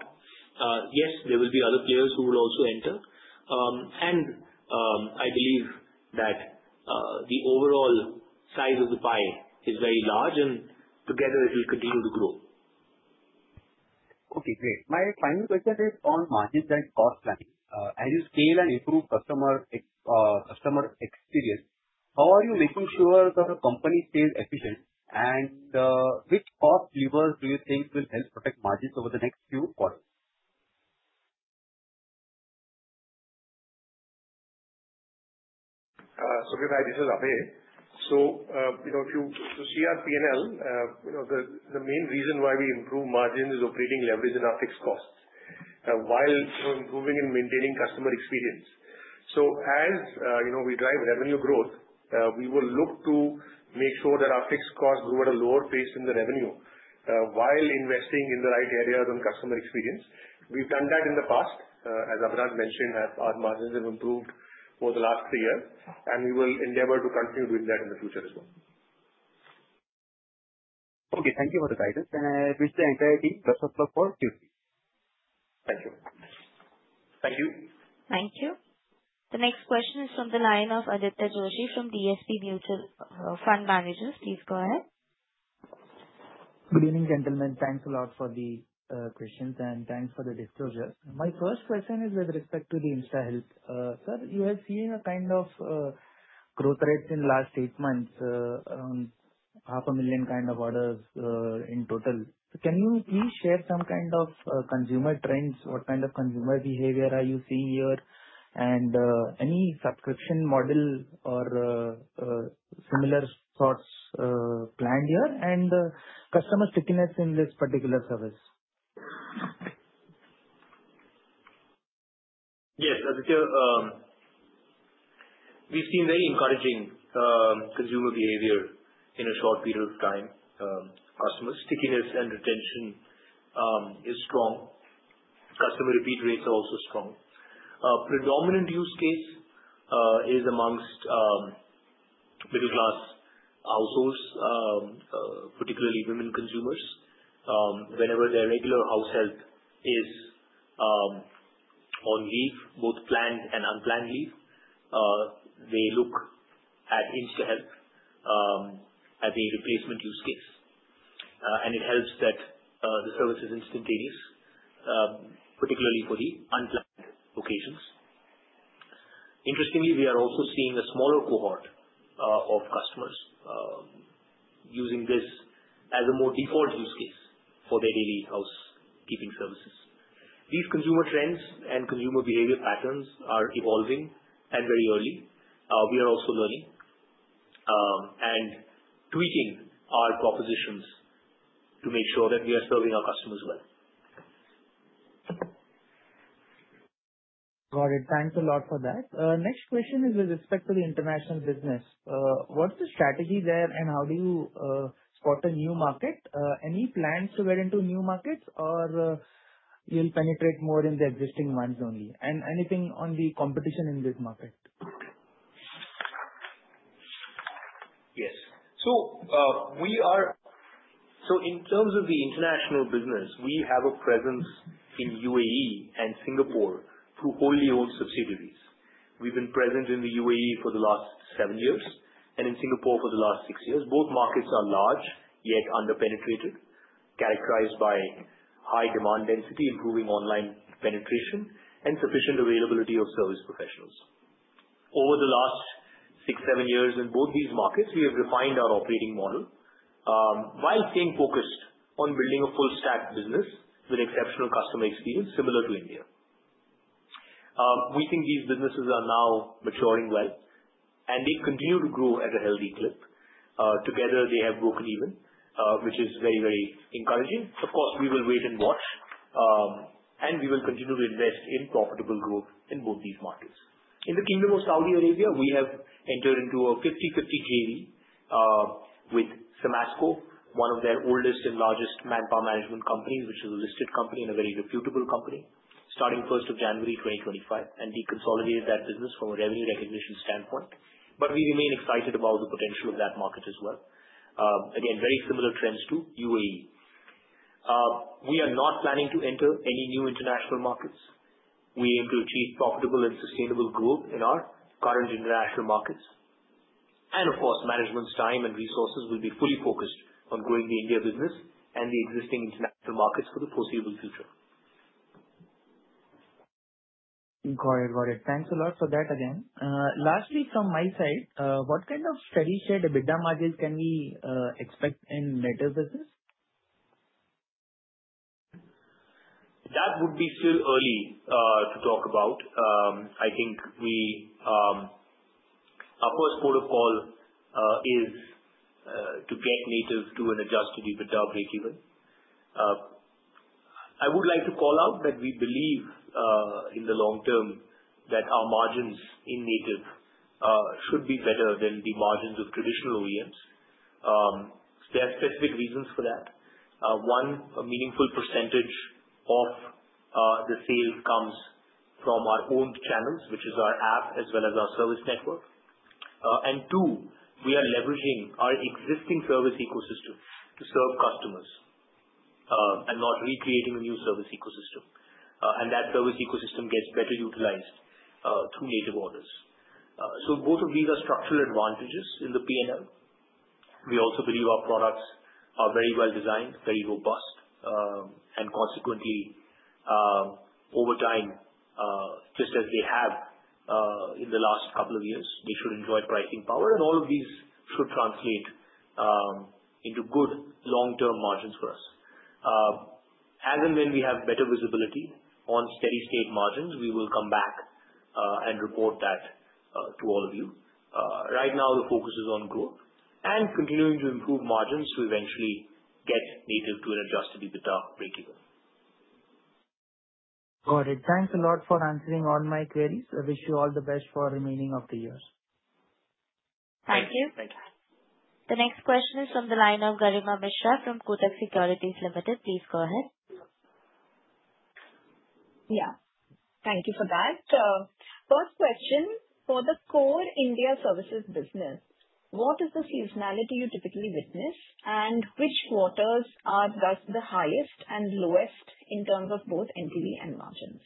Yes, there will be other players who will also enter. I believe that the overall size of the pie is very large, and together, it will continue to grow. Okay. Great. My final question is on margins and cost planning. As you scale and improve customer experience, how are you making sure the company stays efficient, and which cost levers do you think will help protect margins over the next few quarters? Sugreet, hi. This is Abhay. So if you see our P&L, the main reason why we improve margins is operating leverage and our fixed costs while improving and maintaining customer experience. So as we drive revenue growth, we will look to make sure that our fixed costs grow at a lower pace in the revenue while investing in the right areas on customer experience. We've done that in the past. As Avilash mentioned, our margins have improved over the last three years, and we will endeavor to continue doing that in the future as well. Okay. Thank you for the guidance, and I wish the entire team the best of luck for Q3. Thank you. Thank you. Thank you. The next question is from the line of Aditya Joshi from DSP Mutual Fund. Please go ahead. Good evening, gentlemen. Thanks a lot for the questions, and thanks for the disclosures. My first question is with respect to the InstaHealth. Sir, you have seen a kind of growth rate in the last eight months, 500,000 kind of orders in total. Can you please share some kind of consumer trends? What kind of consumer behavior are you seeing here? And any subscription model or similar thoughts planned here? And customer stickiness in this particular service? Yes. We've seen very encouraging consumer behavior in a short period of time. Customer stickiness and retention is strong. Customer repeat rates are also strong. Predominant use case is amongst middle-class households, particularly women consumers. Whenever their regular house help is on leave, both planned and unplanned leave, they look at InstaHealth as a replacement use case. And it helps that the service is instantaneous, particularly for the unplanned occasions. Interestingly, we are also seeing a smaller cohort of customers using this as a more default use case for their daily housekeeping services. These consumer trends and consumer behavior patterns are evolving and very early. We are also learning and tweaking our propositions to make sure that we are serving our customers well. Got it. Thanks a lot for that. Next question is with respect to the international business. What's the strategy there, and how do you spot a new market? Any plans to get into new markets, or you'll penetrate more in the existing ones only? And anything on the competition in this market? Yes. So in terms of the international business, we have a presence in UAE and Singapore through wholly-owned subsidiaries. We've been present in the UAE for the last seven years and in Singapore for the last six years. Both markets are large, yet under-penetrated, characterized by high demand density, improving online penetration, and sufficient availability of service professionals. Over the last six, seven years in both these markets, we have refined our operating model while staying focused on building a full-stack business with exceptional customer experience similar to India. We think these businesses are now maturing well, and they continue to grow at a healthy clip. Together, they have broken even, which is very, very encouraging. Of course, we will wait and watch, and we will continue to invest in profitable growth in both these markets. In the Kingdom of Saudi Arabia, we have entered into a 50/50 JV with SMASCO, one of their oldest and largest manpower management companies, which is a listed company and a very reputable company, starting 1st of January 2025, and we consolidated that business from a revenue recognition standpoint, but we remain excited about the potential of that market as well. Again, very similar trends to UAE. We are not planning to enter any new international markets. We aim to achieve profitable and sustainable growth in our current international markets, and of course, management's time and resources will be fully focused on growing the India business and the existing international markets for the foreseeable future. Got it. Got it. Thanks a lot for that again. Lastly, from my side, what kind of steady-state EBITDA margins can we expect in Native business? That would still be early to talk about. I think our first priority is to get Native to an Adjusted EBITDA break-even. I would like to call out that we believe in the long term that our margins in Native should be better than the margins of traditional OEMs. There are specific reasons for that. One, a meaningful percentage of the sales comes from our own channels, which is our app as well as our service network. And two, we are leveraging our existing service ecosystem to serve customers and not recreating a new service ecosystem. And that service ecosystem gets better utilized through Native orders. So both of these are structural advantages in the P&L. We also believe our products are very well designed, very robust, and consequently, over time, just as they have in the last couple of years, they should enjoy pricing power. All of these should translate into good long-term margins for us. As and when we have better visibility on steady state margins, we will come back and report that to all of you. Right now, the focus is on growth and continuing to improve margins to eventually get Native to an Adjusted EBITDA break-even. Got it. Thanks a lot for answering all my queries. I wish you all the best for the remaining of the years. Thank you. Thank you. The next question is from the line of Garima Mishra from Kotak Securities Limited. Please go ahead. Yeah. Thank you for that. First question. For the core India services business, what is the seasonality you typically witness, and which quarters are thus the highest and lowest in terms of both NTV and margins?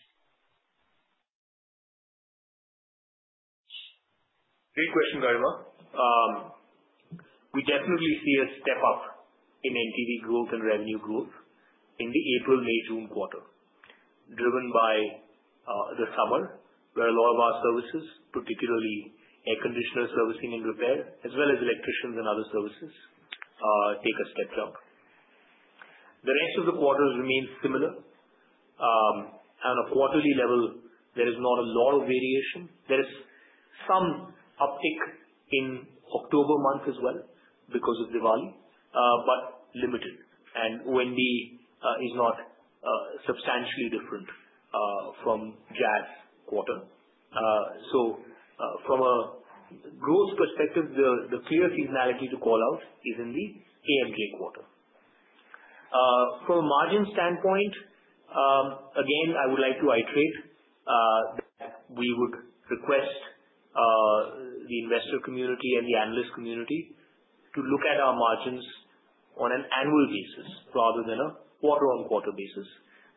Great question, Garima. We definitely see a step-up in NTV growth and revenue growth in the April, May, June quarter, driven by the summer, where a lot of our services, particularly air conditioner servicing and repair, as well as electricians and other services, take a step jump. The rest of the quarters remain similar. On a quarterly level, there is not a lot of variation. There is some uptick in October month as well because of Diwali, but limited, and OND is not substantially different from JAS quarter, so from a growth perspective, the clear seasonality to call out is in the AMJ quarter. From a margin standpoint, again, I would like to iterate that we would request the investor community and the analyst community to look at our margins on an annual basis rather than a quarter-on-quarter basis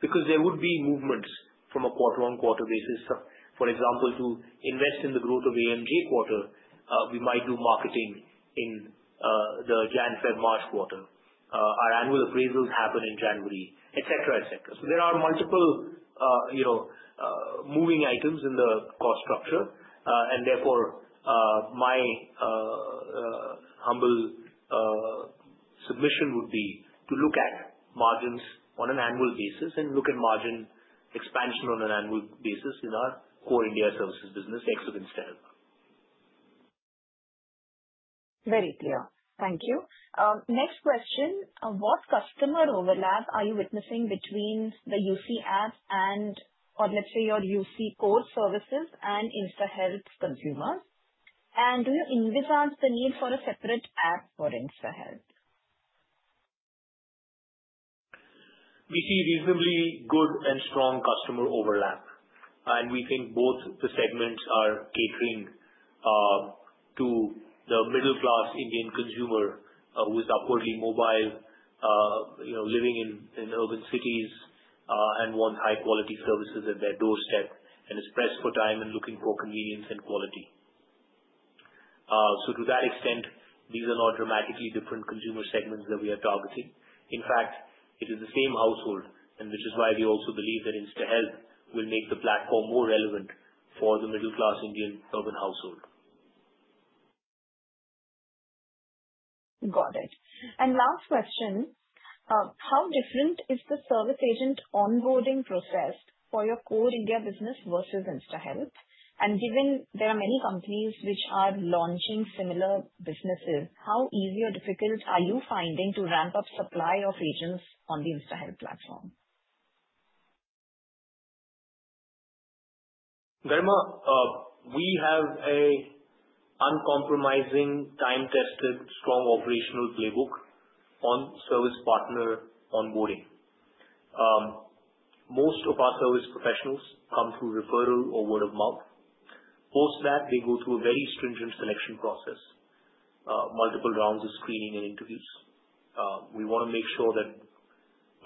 because there would be movements from a quarter-on-quarter basis. For example, to invest in the growth of AMJ quarter, we might do marketing in the Jan-Feb-March quarter. Our annual appraisals happen in January, etc., etc. So there are multiple moving items in the cost structure, and therefore, my humble submission would be to look at margins on an annual basis and look at margin expansion on an annual basis in our core India services business, Exhibit Standard. Very clear. Thank you. Next question. What customer overlap are you witnessing between the UC app and, or let's say, your UC core services and InstaHealth consumers? And do you envisage the need for a separate app for InstaHealth? We see reasonably good and strong customer overlap. And we think both the segments are catering to the middle-class Indian consumer who is upwardly mobile, living in urban cities, and wants high-quality services at their doorstep and is pressed for time and looking for convenience and quality. So to that extent, these are not dramatically different consumer segments that we are targeting. In fact, it is the same household, which is why we also believe that InstaHealth will make the platform more relevant for the middle-class Indian urban household. Got it. And last question. How different is the service partner onboarding process for your core India business versus InstaHealth? And given there are many companies which are launching similar businesses, how easy or difficult are you finding to ramp up supply of partners on the InstaHealth platform? Garima, we have an uncompromising, time-tested, strong operational playbook on service partner onboarding. Most of our service professionals come through referral or word of mouth. Post that, they go through a very stringent selection process, multiple rounds of screening and interviews. We want to make sure that,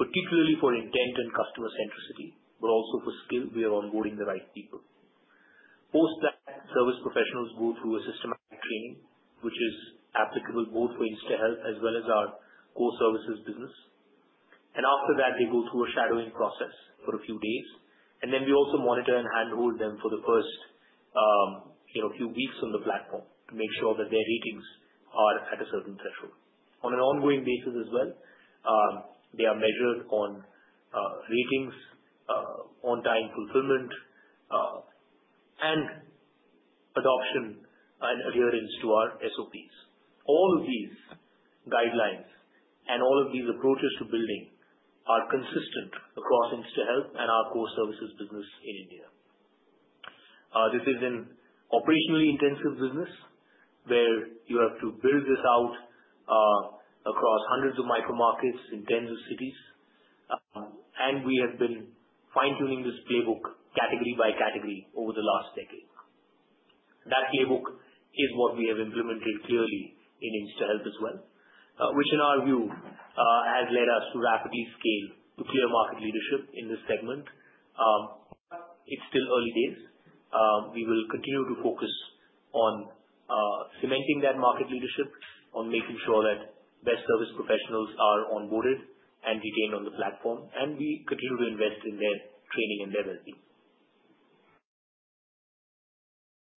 particularly for intent and customer centricity, but also for skill, we are onboarding the right people. Post that, service professionals go through a systematic training, which is applicable both for InstaHealth as well as our core services business, and after that, they go through a shadowing process for a few days, and then we also monitor and handhold them for the first few weeks on the platform to make sure that their ratings are at a certain threshold. On an ongoing basis as well, they are measured on ratings, on-time fulfillment, and adoption and adherence to our SOPs. All of these guidelines and all of these approaches to building are consistent across InstaHealth and our core services business in India. This is an operationally intensive business where you have to build this out across hundreds of micro-markets in tens of cities. And we have been fine-tuning this playbook category by category over the last decade. That playbook is what we have implemented clearly in InstaHealth as well, which in our view has led us to rapidly scale to clear market leadership in this segment. It's still early days. We will continue to focus on cementing that market leadership, on making sure that best service professionals are onboarded and retained on the platform. And we continue to invest in their training and their well-being.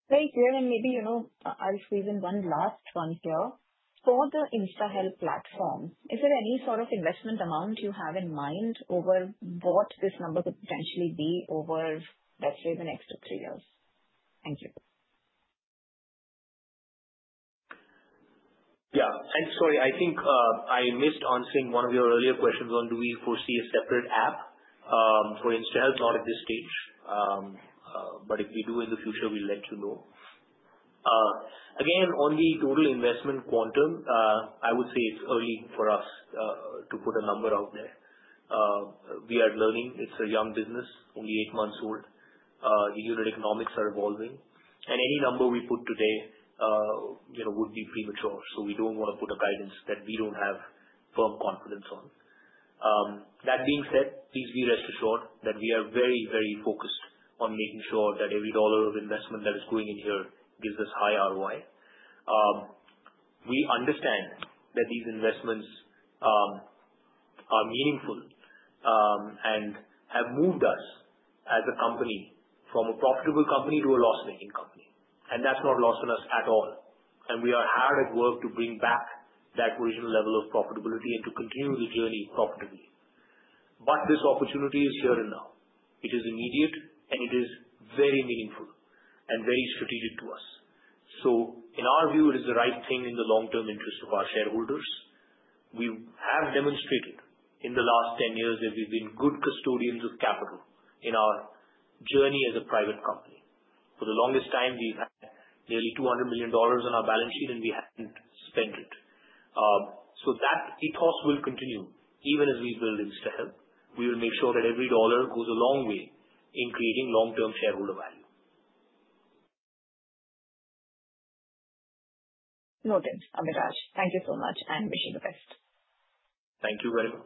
Very clear. And maybe I'll squeeze in one last one here. For the InstaHealth platform, is there any sort of investment amount you have in mind over what this number could potentially be over, let's say, the next two to three years? Thank you. Yeah. And sorry, I think I missed answering one of your earlier questions on do we foresee a separate app for InstaHealth? Not at this stage. But if we do in the future, we'll let you know. Again, on the total investment quantum, I would say it's early for us to put a number out there. We are learning. It's a young business, only eight months old. The unit economics are evolving. And any number we put today would be premature. So we don't want to put a guidance that we don't have firm confidence on. That being said, please be rest assured that we are very, very focused on making sure that every dollar of investment that is going in here gives us high ROI. We understand that these investments are meaningful and have moved us as a company from a profitable company to a loss-making company. That's not lost on us at all. We are hard at work to bring back that original level of profitability and to continue the journey profitably. This opportunity is here and now. It is immediate, and it is very meaningful and very strategic to us. In our view, it is the right thing in the long-term interest of our shareholders. We have demonstrated in the last 10 years that we've been good custodians of capital in our journey as a private company. For the longest time, we've had nearly $200 million on our balance sheet, and we hadn't spent it. So that ethos will continue even as we build InstaHealth. We will make sure that every dollar goes a long way in creating long-term shareholder value. Noted. Abhiraj, thank you so much and wish you the best. Thank you, Garima.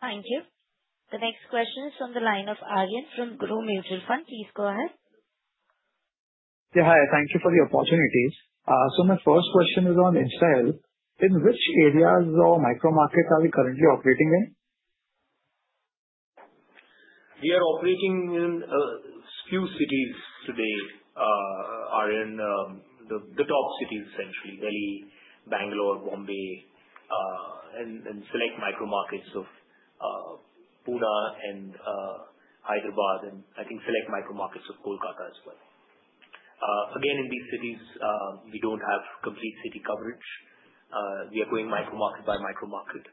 Thank you. The next question is from the line of Aryan from Groww Mutual Fund. Please go ahead. Yeah. Hi. Thank you for the opportunities. So my first question is on InstaHealth. In which areas or micro-markets are we currently operating in? We are operating in a few cities today, the top cities, essentially, Delhi, Bangalore, Bombay, and select micro-markets of Pune and Hyderabad, and I think select micro-markets of Kolkata as well. Again, in these cities, we don't have complete city coverage. We are going micro-market by micro-market.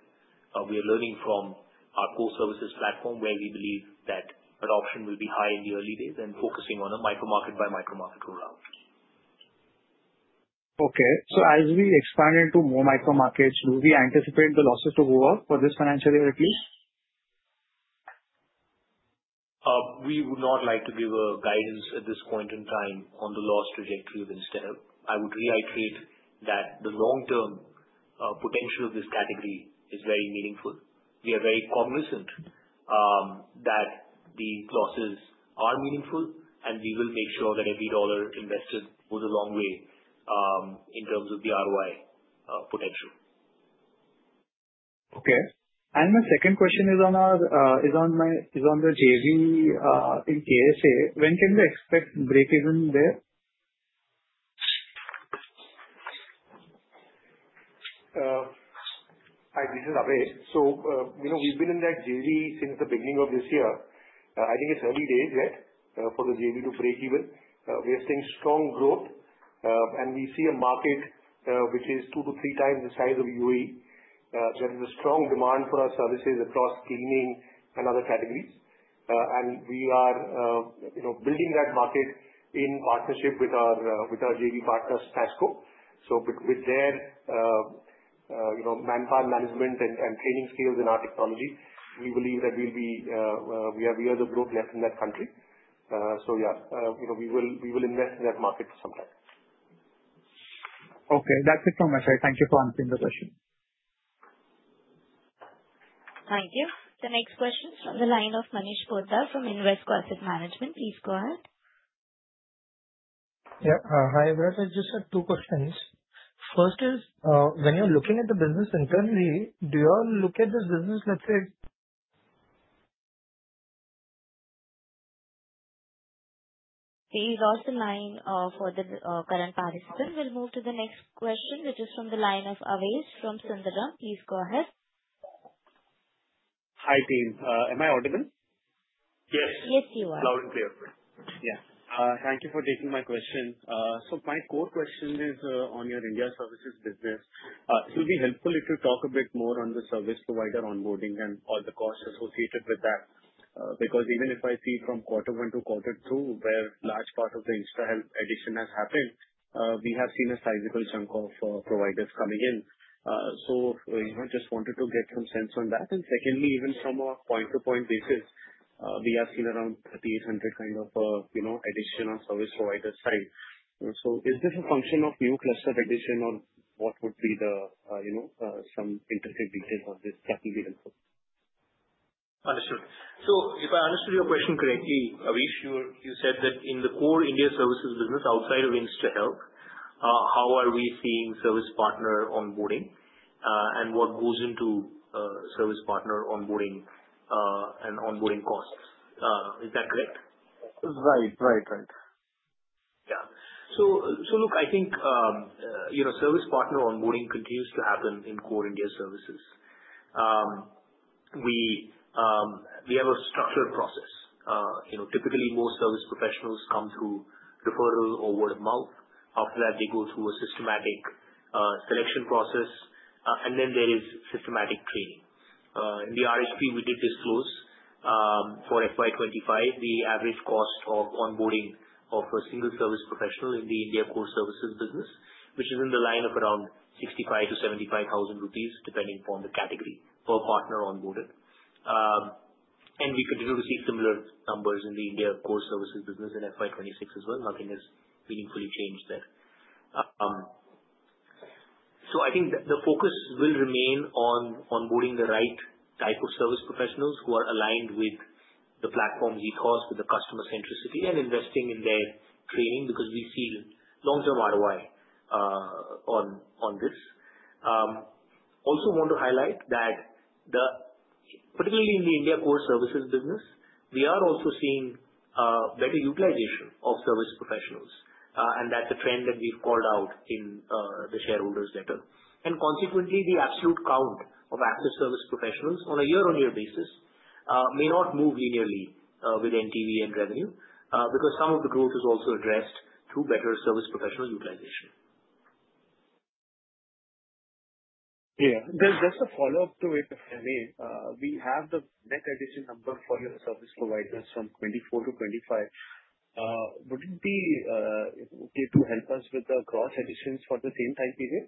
We are learning from our core services platform where we believe that adoption will be high in the early days, and focusing on a micro-market by micro-market rollout. Okay. As we expand into more micro-markets, do we anticipate the losses to go up for this financial year at least? We would not like to give a guidance at this point in time on the loss trajectory of InstaHealth. I would reiterate that the long-term potential of this category is very meaningful. We are very cognizant that the losses are meaningful, and we will make sure that every dollar invested goes a long way in terms of the ROI potential. Okay. And my second question is on the JV in KSA. When can we expect break-even there? Hi. This is Abhay. So we've been in that JV since the beginning of this year. I think it's early days yet for the JV to break even. We are seeing strong growth, and we see a market which is two to three times the size of UAE. There is a strong demand for our services across cleaning and other categories. And we are building that market in partnership with our JV partners, SMASCO. So with their manpower management and training skills and our technology, we believe that there is growth left in that country. So yeah, we will invest in that market sometime. Okay. That's it from my side. Thank you for answering the question. Thank you. The next question is from the line of Manish Poddar from Invesco Asset Management. Please go ahead. Yeah. Hi, Abhiraj. Just two questions. First is, when you're looking at the business internally, do you all look at this business, let's say? We lost the line for the current participant. We'll move to the next question, which is from the line of Awais from Sundaram. Please go ahead. Hi, team. Am I audible? Yes. Yes, you are. Loud and clear. Yeah. Thank you for taking my question. So my core question is on your India services business. It will be helpful if you talk a bit more on the service provider onboarding and all the costs associated with that because even if I see from quarter one to quarter two where a large part of the InstaHealth addition has happened, we have seen a sizable chunk of providers coming in. So I just wanted to get some sense on that. And secondly, even from a point-to-point basis, we have seen around 3,800 kind of addition on service provider side. So is this a function of new cluster addition, or what would be some interesting details on this? That would be helpful. Understood. If I understood your question correctly, Awais, you said that in the core India services business outside of InstaHealth, how are we seeing service partner onboarding and what goes into service partner onboarding and onboarding costs? Is that correct? Right. Right. Right. Yeah. So look, I think service partner onboarding continues to happen in core India services. We have a structured process. Typically, most service professionals come through referral or word of mouth. After that, they go through a systematic selection process, and then there is systematic training. In the RHP, we did disclose for FY25 the average cost of onboarding of a single service professional in the India core services business, which is in the line of around 65,000-75,000 rupees depending upon the category per partner onboarded. And we continue to see similar numbers in the India core services business in FY26 as well. Nothing has meaningfully changed there. So I think the focus will remain on onboarding the right type of service professionals who are aligned with the platform's ethos, with the customer centricity, and investing in their training because we see long-term ROI on this. Also want to highlight that particularly in the India core services business, we are also seeing better utilization of service professionals. And that's a trend that we've called out in the shareholders' letter. And consequently, the absolute count of active service professionals on a year-on-year basis may not move linearly with NTV and revenue because some of the growth is also addressed through better service professional utilization. Yeah. Just a follow-up to it, Amit. We have the net addition number for your service providers from 24 to 25. Would it be okay to help us with the gross additions for the same time period?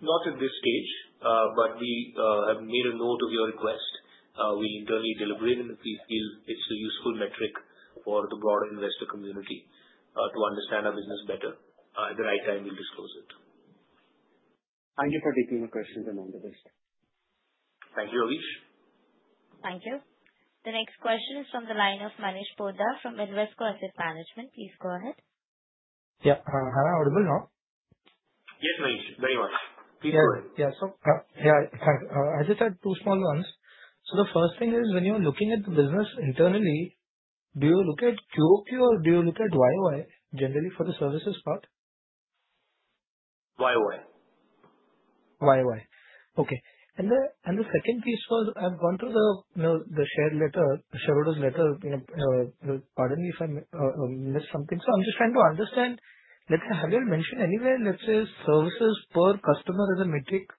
Not at this stage, but we have made a note of your request. We'll internally deliberate, and if we feel it's a useful metric for the broader investor community to understand our business better, at the right time, we'll disclose it. Thank you for taking my questions. I'm all the best. Thank you, Awais. Thank you. The next question is from the line of Manish Poddar from Invesco Asset Management. Please go ahead. Yeah. Hi. Audible now? Yes, Manish. Very much. Please go ahead. Yeah. Yeah. So yeah, thanks. I just had two small ones. So the first thing is when you're looking at the business internally, do you look at QoQ or do you look at YOI generally for the services part? YOI. YOI Okay. And the second piece was I've gone through the shareholder's letter, the shareholders' letter. Pardon me if I missed something. So I'm just trying to understand. Let's say, have you mentioned anywhere, let's say, services per customer as a metric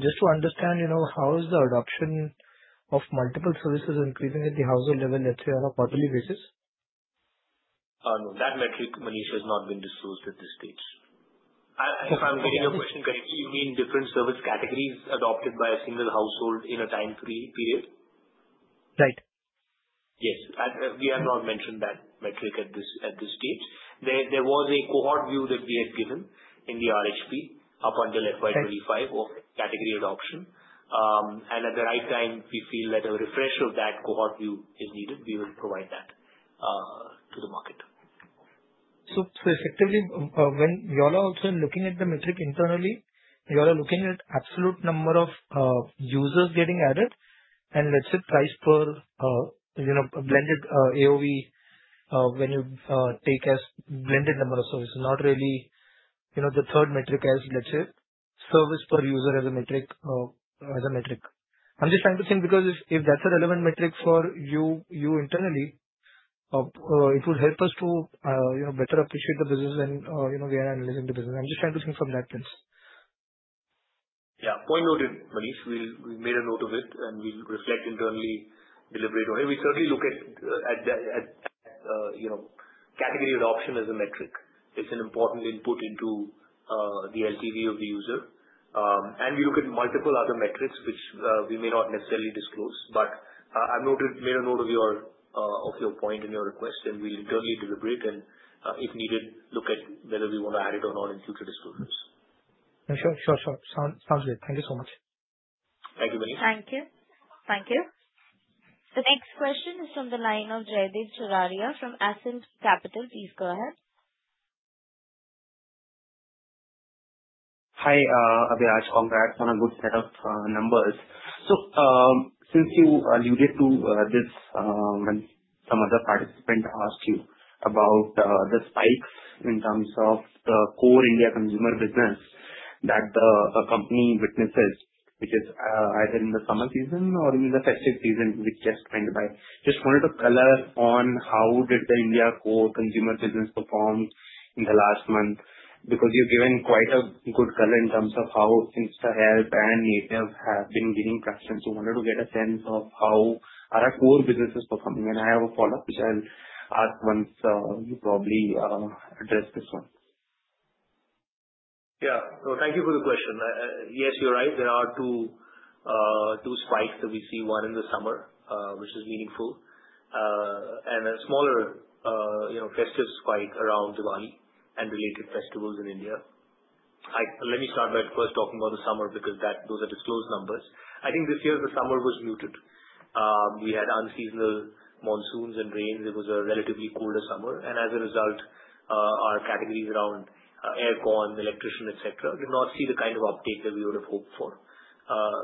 just to understand how is the adoption of multiple services increasing at the household level, let's say, on a quarterly basis? No. That metric, Manish, has not been disclosed at this stage. If I'm getting your question correctly, you mean different service categories adopted by a single household in a time period? Right. Yes. We have not mentioned that metric at this stage. There was a cohort view that we had given in the RHP up until FY25 of category adoption, and at the right time, we feel that a refresh of that cohort view is needed. We will provide that to the market. So effectively, when you all are also looking at the metric internally, you all are looking at absolute number of users getting added and, let's say, price per blended AOV when you take as blended number of services, not really the third metric as, let's say, service per user as a metric. I'm just trying to think because if that's a relevant metric for you internally, it will help us to better appreciate the business when we are analyzing the business. I'm just trying to think from that lens. Yeah. Point noted, Manish. We've made a note of it, and we'll reflect internally deliberately. We certainly look at category adoption as a metric. It's an important input into the LTV of the user, and we look at multiple other metrics, which we may not necessarily disclose, but I've made a note of your point and your request, and we'll internally deliberate and, if needed, look at whether we want to add it or not in future disclosures. Yeah. Sure. Sure. Sure. Sounds good. Thank you so much. Thank you, Manish. Thank you. Thank you. The next question is from the line of Jaideep Mukhariya from Ascent Capital. Please go ahead. Hi, Abhiraj. Congrats on a good set of numbers, so since you alluded to this when some other participant asked you about the spikes in terms of the core India consumer business that the company witnesses, which is either in the summer season or in the festive season which just went by, just wanted to color on how did the India core consumer business perform in the last month because you've given quite a good color in terms of how InstaHealth and Native have been giving preference. We wanted to get a sense of how are our core businesses performing, and I have a follow-up, which I'll ask once you probably address this one. Yeah, so thank you for the question. Yes, you're right. There are two spikes that we see, one in the summer, which is meaningful, and a smaller festive spike around Diwali and related festivals in India. Let me start by first talking about the summer because those are disclosed numbers. I think this year, the summer was muted. We had unseasonal monsoons and rains. It was a relatively cooler summer. And as a result, our categories around aircon, electrician, etc., did not see the kind of uptake that we would have hoped for,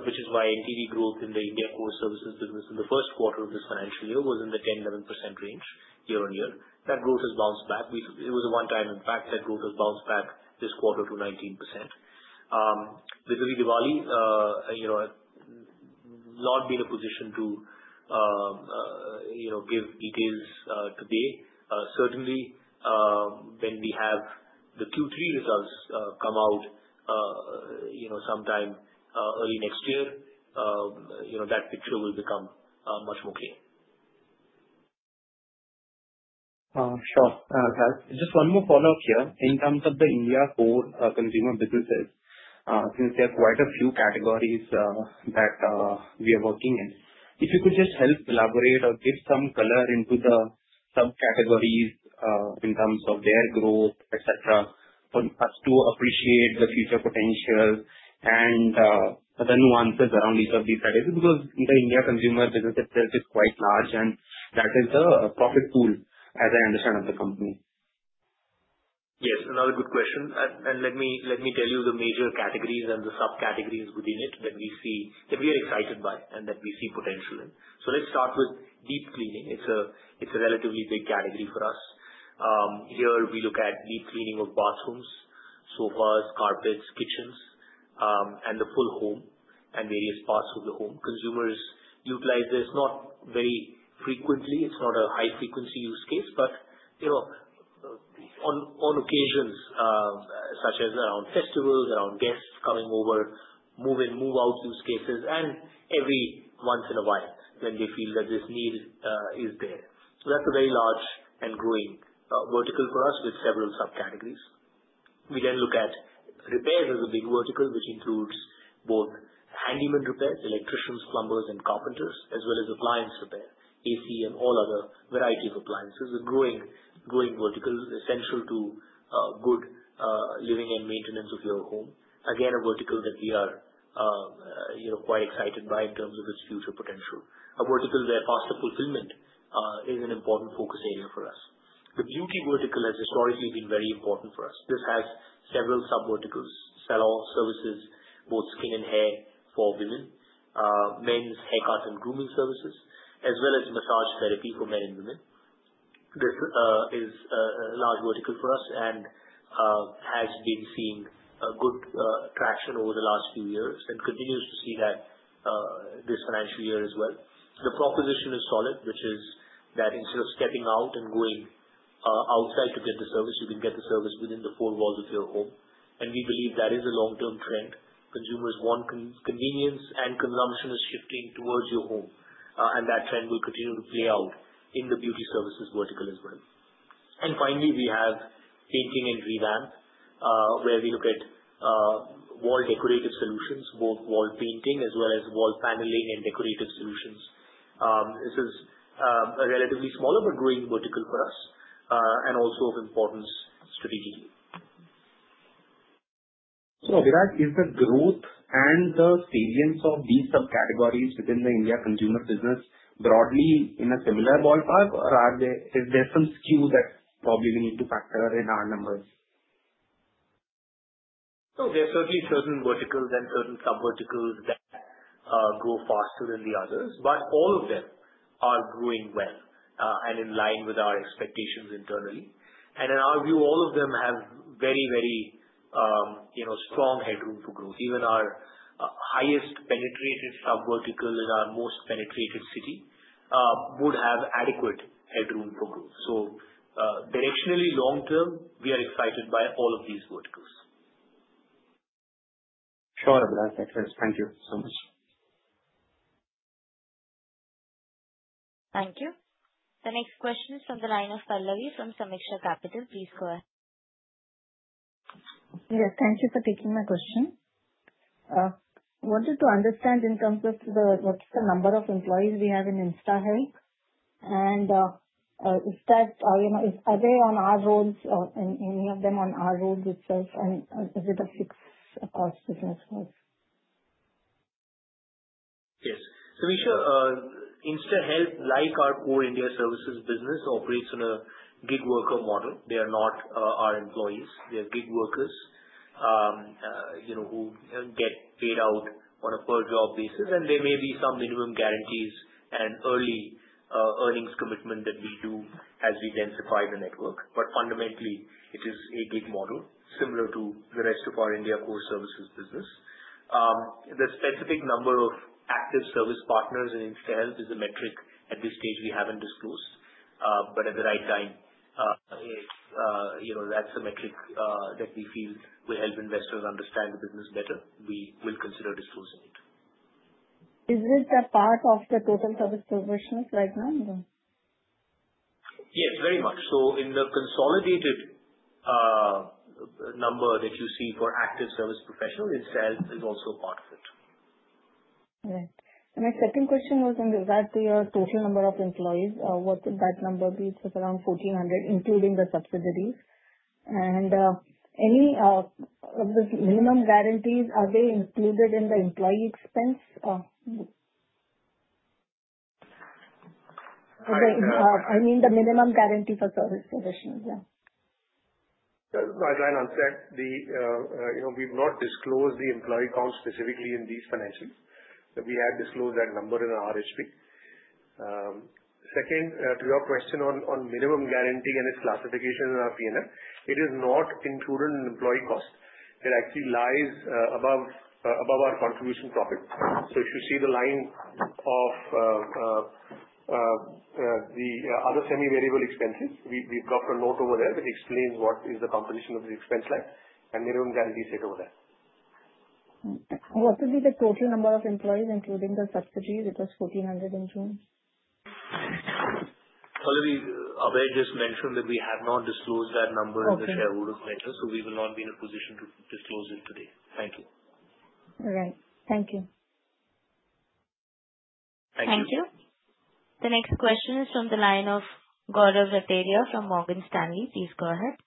which is why NTV growth in the India core services business in the first quarter of this financial year was in the 10-11% range year-on-year. That growth has bounced back. It was a one-time impact. That growth has bounced back this quarter to 19%. Vis-à-vis Diwali, not being in a position to give details today. Certainly, when we have the Q3 results come out sometime early next year, that picture will become much more clear. Sure. Just one more follow-up here. In terms of the India core consumer businesses, since there are quite a few categories that we are working in, if you could just help elaborate or give some color into the subcategories in terms of their growth, etc., for us to appreciate the future potential and the nuances around each of these categories because the India consumer business itself is quite large, and that is the profit pool, as I understand, of the company. Yes. Another good question, and let me tell you the major categories and the subcategories within it that we are excited by and that we see potential in, so let's start with deep cleaning. It's a relatively big category for us. Here, we look at deep cleaning of bathrooms, sofas, carpets, kitchens, and the full home and various parts of the home. Consumers utilize this not very frequently. It's not a high-frequency use case, but on occasions, such as around festivals, around guests coming over, move-in, move-out use cases, and every once in a while when they feel that this need is there, so that's a very large and growing vertical for us with several subcategories. We then look at repairs as a big vertical, which includes both handyman repairs, electricians, plumbers, and carpenters, as well as appliance repair, AC, and all other varieties of appliances. A growing vertical essential to good living and maintenance of your home. Again, a vertical that we are quite excited by in terms of its future potential. A vertical where faster fulfillment is an important focus area for us. The beauty vertical has historically been very important for us. This has several sub-verticals: salon services, both skin and hair for women, men's haircut and grooming services, as well as massage therapy for men and women. This is a large vertical for us and has been seeing good traction over the last few years and continues to see that this financial year as well. The proposition is solid, which is that instead of stepping out and going outside to get the service, you can get the service within the four walls of your home, and we believe that is a long-term trend. Consumers want convenience, and consumption is shifting towards your home. And that trend will continue to play out in the beauty services vertical as well. And finally, we have painting and Revamp, where we look at wall decorative solutions, both wall painting as well as wall paneling and decorative solutions. This is a relatively smaller but growing vertical for us and also of importance strategically. So Abhiraj, is the growth and the salience of these subcategories within the India consumer business broadly in a similar ballpark, or is there some skew that probably we need to factor in our numbers? So there are certainly certain verticals and certain sub-verticals that grow faster than the others, but all of them are growing well and in line with our expectations internally. And in our view, all of them have very, very strong headroom for growth. Even our highest penetrated sub-vertical in our most penetrated city would have adequate headroom for growth. So directionally, long term, we are excited by all of these verticals. Sure. Abhiraj, that's excellent. Thank you so much. Thank you. The next question is from the line of Pallavi from Sameeksha Capital. Please go ahead. Yes. Thank you for taking my question. I wanted to understand in terms of what's the number of employees we have in InstaHealth, and are they on our roles, any of them on our roles itself, and is it a fixed-cost business for us? Yes. So InstaHealth, like our core India services business, operates on a gig worker model. They are not our employees. They are gig workers who get paid out on a per-job basis. And there may be some minimum guarantees and early earnings commitment that we do as we densify the network. But fundamentally, it is a gig model similar to the rest of our India core services business. The specific number of active service partners in InstaHealth is a metric at this stage we haven't disclosed. But at the right time, if that's a metric that we feel will help investors understand the business better, we will consider disclosing it. Is it a part of the total service proportions right now, or? Yes, very much. So in the consolidated number that you see for active service professionals, InstaHealth is also part of it. Right. And my second question was in regard to your total number of employees. What would that number be? It's around 1,400, including the subsidiaries. And any of the minimum guarantees, are they included in the employee expense? I mean, the minimum guarantee for service partners, yeah. The line on staff, we've not disclosed the employee count specifically in these financials. We have disclosed that number in our RHP. Second, to your question on minimum guarantee and its classification in our P&L, it is not included in employee cost. It actually lies above our contribution profit, so if you see the line of the other semi-variable expenses, we've got a note over there that explains what is the composition of the expense line and minimum guarantee sits over there. What would be the total number of employees, including the subsidiaries? It was 1,400 in June. Abhay just mentioned that we have not disclosed that number in the shareholders' letter, so we will not be in a position to disclose it today. Thank you. All right. Thank you. Thank you. Thank you. The next question is from the line of Gaurav Rateria from Morgan Stanley. Please go ahead.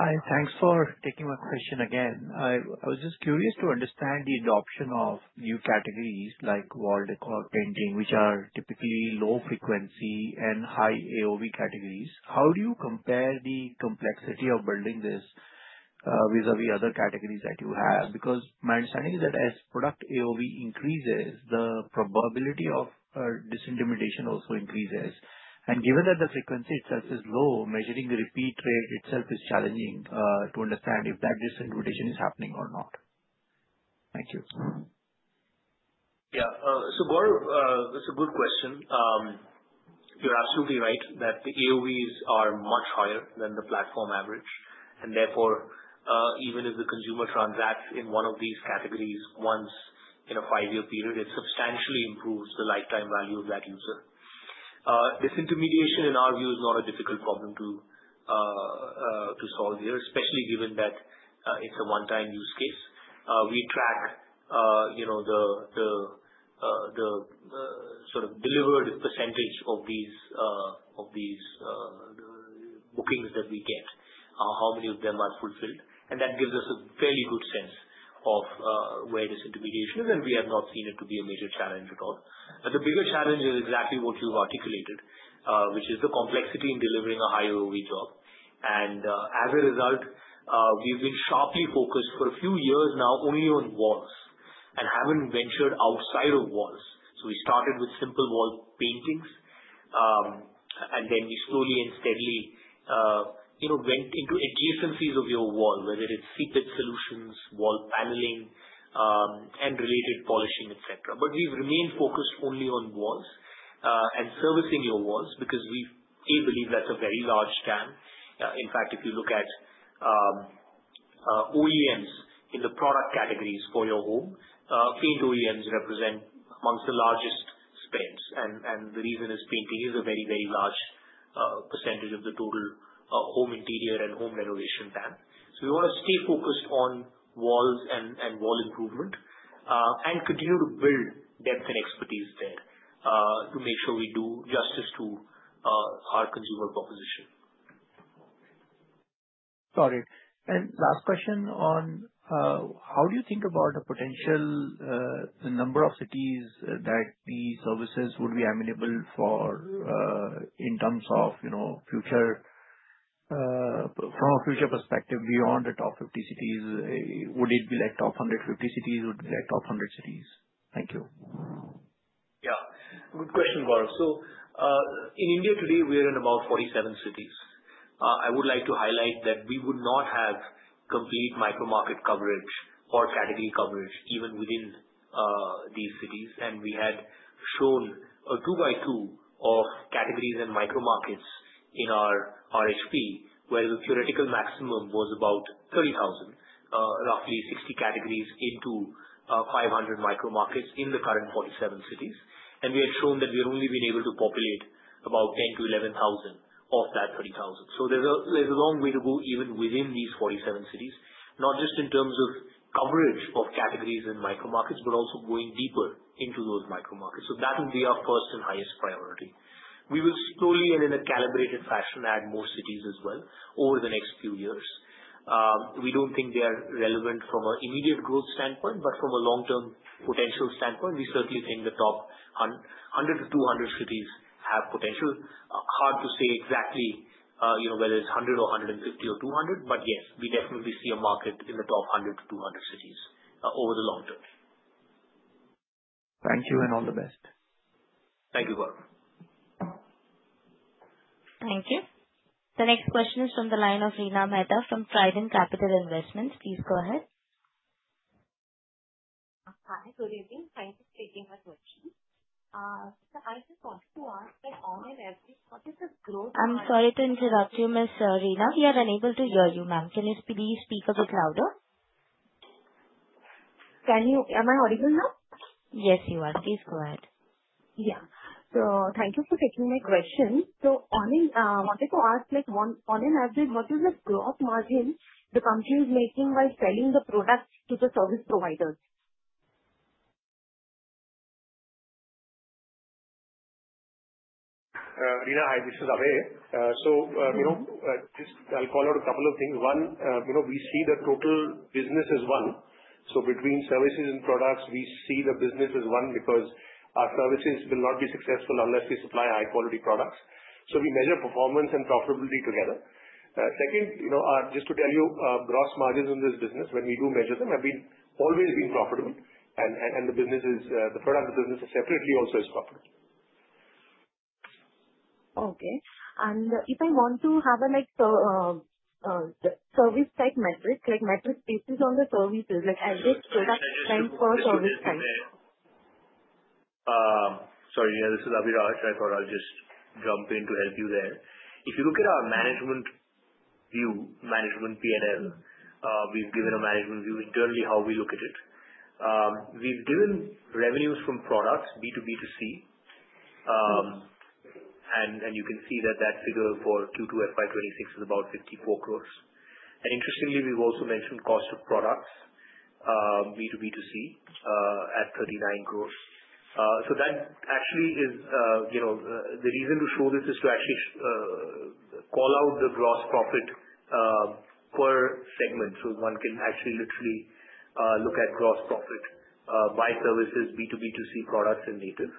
Hi. Thanks for taking my question again. I was just curious to understand the adoption of new categories like wall decor, painting, which are typically low-frequency and high AOV categories. How do you compare the complexity of building this vis-à-vis other categories that you have? Because my understanding is that as product AOV increases, the probability of differentiation also increases. And given that the frequency itself is low, measuring the repeat rate itself is challenging to understand if that differentiation is happening or not. Thank you. Yeah, so Gaurav, that's a good question. You're absolutely right that the AOVs are much higher than the platform average, and therefore, even if the consumer transacts in one of these categories once in a five-year period, it substantially improves the lifetime value of that user. Disintermediation, in our view, is not a difficult problem to solve here, especially given that it's a one-time use case. We track the sort of delivered percentage of these bookings that we get, how many of them are fulfilled, and that gives us a fairly good sense of where de-intimidation is, and we have not seen it to be a major challenge at all, but the bigger challenge is exactly what you've articulated, which is the complexity in delivering a high AOV job. And as a result, we've been sharply focused for a few years now only on walls and haven't ventured outside of walls. So we started with simple wall paintings, and then we slowly and steadily went into adjacencies of your wall, whether it's seepage solutions, wall paneling, and related polishing, etc. But we've remained focused only on walls and servicing your walls because we believe that's a very large space. In fact, if you look at OEMs in the product categories for your home, paint OEMs represent among the largest spends. The reason is painting is a very, very large percentage of the total home interior and home renovation spend. We want to stay focused on walls and wall improvement and continue to build depth and expertise there to make sure we do justice to our consumer proposition. Got it, and last question on how do you think about the potential number of cities that these services would be amenable for in terms of future, from a future perspective, beyond the top 50 cities? Would it be like top 150 cities? Would it be like top 100 cities? Thank you. Yeah. Good question, Gaurav. So in India today, we are in about 47 cities. I would like to highlight that we would not have complete micro-market coverage or category coverage even within these cities. And we had shown a two-by-two of categories and micro-markets in our RHP, where the theoretical maximum was about 30,000, roughly 60 categories into 500 micro-markets in the current 47 cities. And we had shown that we had only been able to populate about 10,000-11,000 of that 30,000. So there's a long way to go even within these 47 cities, not just in terms of coverage of categories and micro-markets, but also going deeper into those micro-markets. So that will be our first and highest priority. We will slowly and in a calibrated fashion add more cities as well over the next few years. We don't think they are relevant from an immediate growth standpoint, but from a long-term potential standpoint, we certainly think the top 100 to 200 cities have potential. Hard to say exactly whether it's 100 or 150 or 200, but yes, we definitely see a market in the top 100 to 200 cities over the long term. Thank you and all the best. Thank you, Gaurav. Thank you. The next question is from the line of Leena Mehta from Trident Capital Investments. Please go ahead. Hi. Good evening. Thank you for taking my question. I just wanted to ask that on an average, what is the growth? I'm sorry to interrupt you, Ms. Leena. We are unable to hear you, ma'am. Can you please speak a bit louder? Am I audible now? Yes, you are. Please go ahead. Yeah. So thank you for taking my question. So I wanted to ask on an average, what is the gross margin the company is making while selling the products to the service providers? Leena, hi. This is Abhay. So I'll call out a couple of things. One, we see the total business as one. So between services and products, we see the business as one because our services will not be successful unless we supply high-quality products. So we measure performance and profitability together. Second, just to tell you, gross margins in this business, when we do measure them, have always been profitable. And the product of the business separately also is profitable. Okay. And if I want to have a service-type metric, like metrics based on the services, like average product time per service time? Sorry, yeah, this is Abhay Mathur. I thought I'll just jump in to help you there. If you look at our management view, management P&L, we've given a management view internally how we look at it. We've given revenues from products B to B to C. And you can see that that figure for Q2 FY26 is about 54 crores. And interestingly, we've also mentioned cost of products B to B to C at 39 crores. So that actually is the reason to show this is to actually call out the gross profit per segment. So one can actually literally look at gross profit by services, B to B to C products, and Native.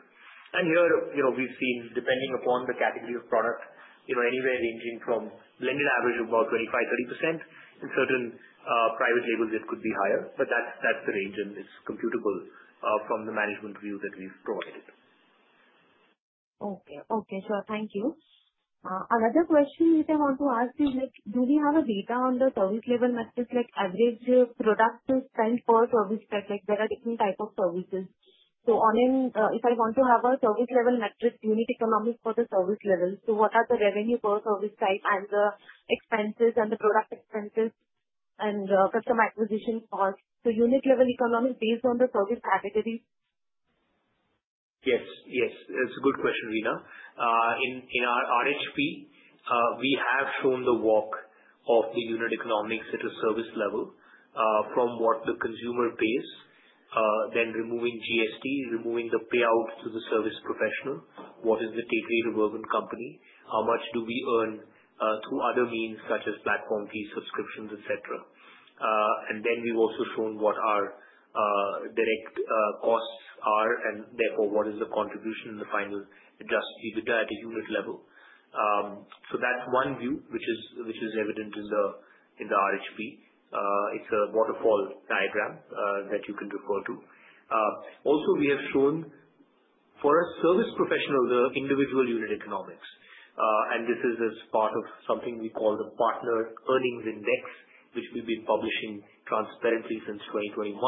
And here, we've seen, depending upon the category of product, anywhere ranging from blended average of about 25%-30%. In certain private labels, it could be higher, but that's the range, and it's computable from the management view that we've provided. Okay. Okay. Sure. Thank you. Another question I want to ask is, do we have a data on the service-level metrics, like average product spend per service type? There are different types of services. So if I want to have a service-level metric, unit economics for the service level, so what are the revenue per service type and the expenses and the product expenses and customer acquisition cost? So unit-level economics based on the service categories? Yes. Yes. That's a good question, Leena. In our RHP, we have shown the walk of the unit economics at a service level from what the consumer pays, then removing GST, removing the payout to the service professional, what is the take rate to work on company, how much do we earn through other means such as platform fees, subscriptions, etc., and then we've also shown what our direct costs are, and therefore, what is the contribution in the final adjusted unit level. So that's one view, which is evident in the RHP. It's a waterfall diagram that you can refer to. Also, we have shown for a service professional, the individual unit economics, and this is as part of something we call the Partner Earnings Index, which we've been publishing transparently since 2021.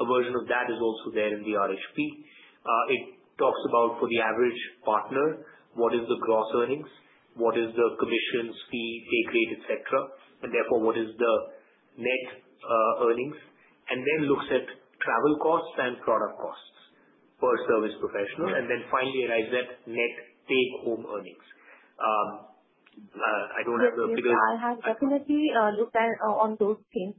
A version of that is also there in the RHP. It talks about, for the average partner, what is the gross earnings, what is the commissions, fee, day-to-day, etc., and therefore, what is the net earnings, and then looks at travel costs and product costs per service professional, and then finally, it has that net take-home earnings. I don't have the figures. I have definitely looked at all those things,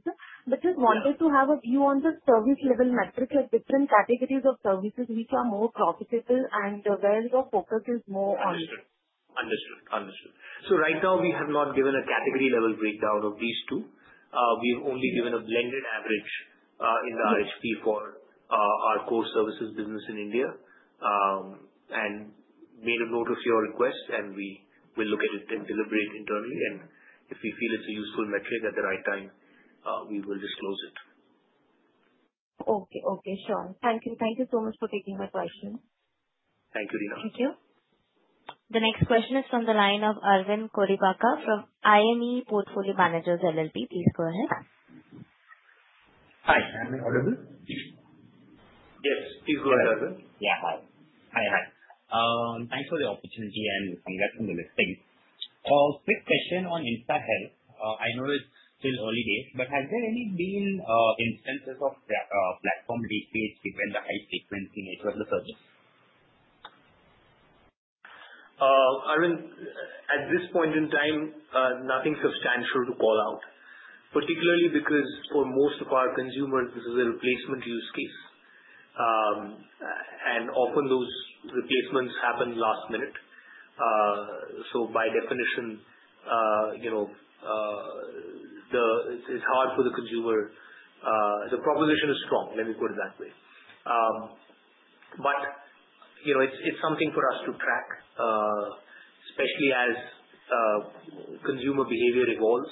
but just wanted to have a view on the service-level metrics at different categories of services which are more profitable and where your focus is more on? Understood. So right now, we have not given a category-level breakdown of these two. We've only given a blended average in the RHP for our core services business in India. And made a note of your request, and we will look at it and deliberate internally. And if we feel it's a useful metric at the right time, we will disclose it. Okay. Okay. Sure. Thank you. Thank you so much for taking my question. Thank you, Leena. Thank you. The next question is from the line of Arvind Koripaka from IME Portfolio Managers LLP. Please go ahead. Hi. I'm audible?. Yes. Please go ahead, Arvind. Yeah. Hi. Thanks for the opportunity and congrats on the listing. Quick question on InstaHealth. I know it's still early days, but have there any been instances of platform leakage given the high frequency nature of the service? Arvind, at this point in time, nothing substantial to call out, particularly because for most of our consumers, this is a replacement use case, and often, those replacements happen last minute, so by definition, it's hard for the consumer. The proposition is strong. Let me put it that way, but it's something for us to track, especially as consumer behavior evolves,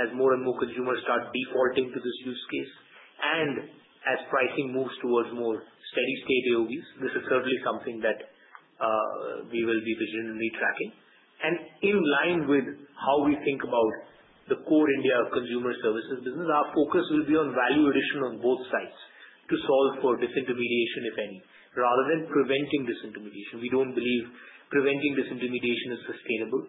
as more and more consumers start defaulting to this use case, and as pricing moves towards more steady-state AOVs. This is certainly something that we will be vigilantly tracking, and in line with how we think about the core India consumer services business, our focus will be on value addition on both sides to solve for disintermediation, if any, rather than preventing disintermediation. We don't believe preventing disintermediation is sustainable.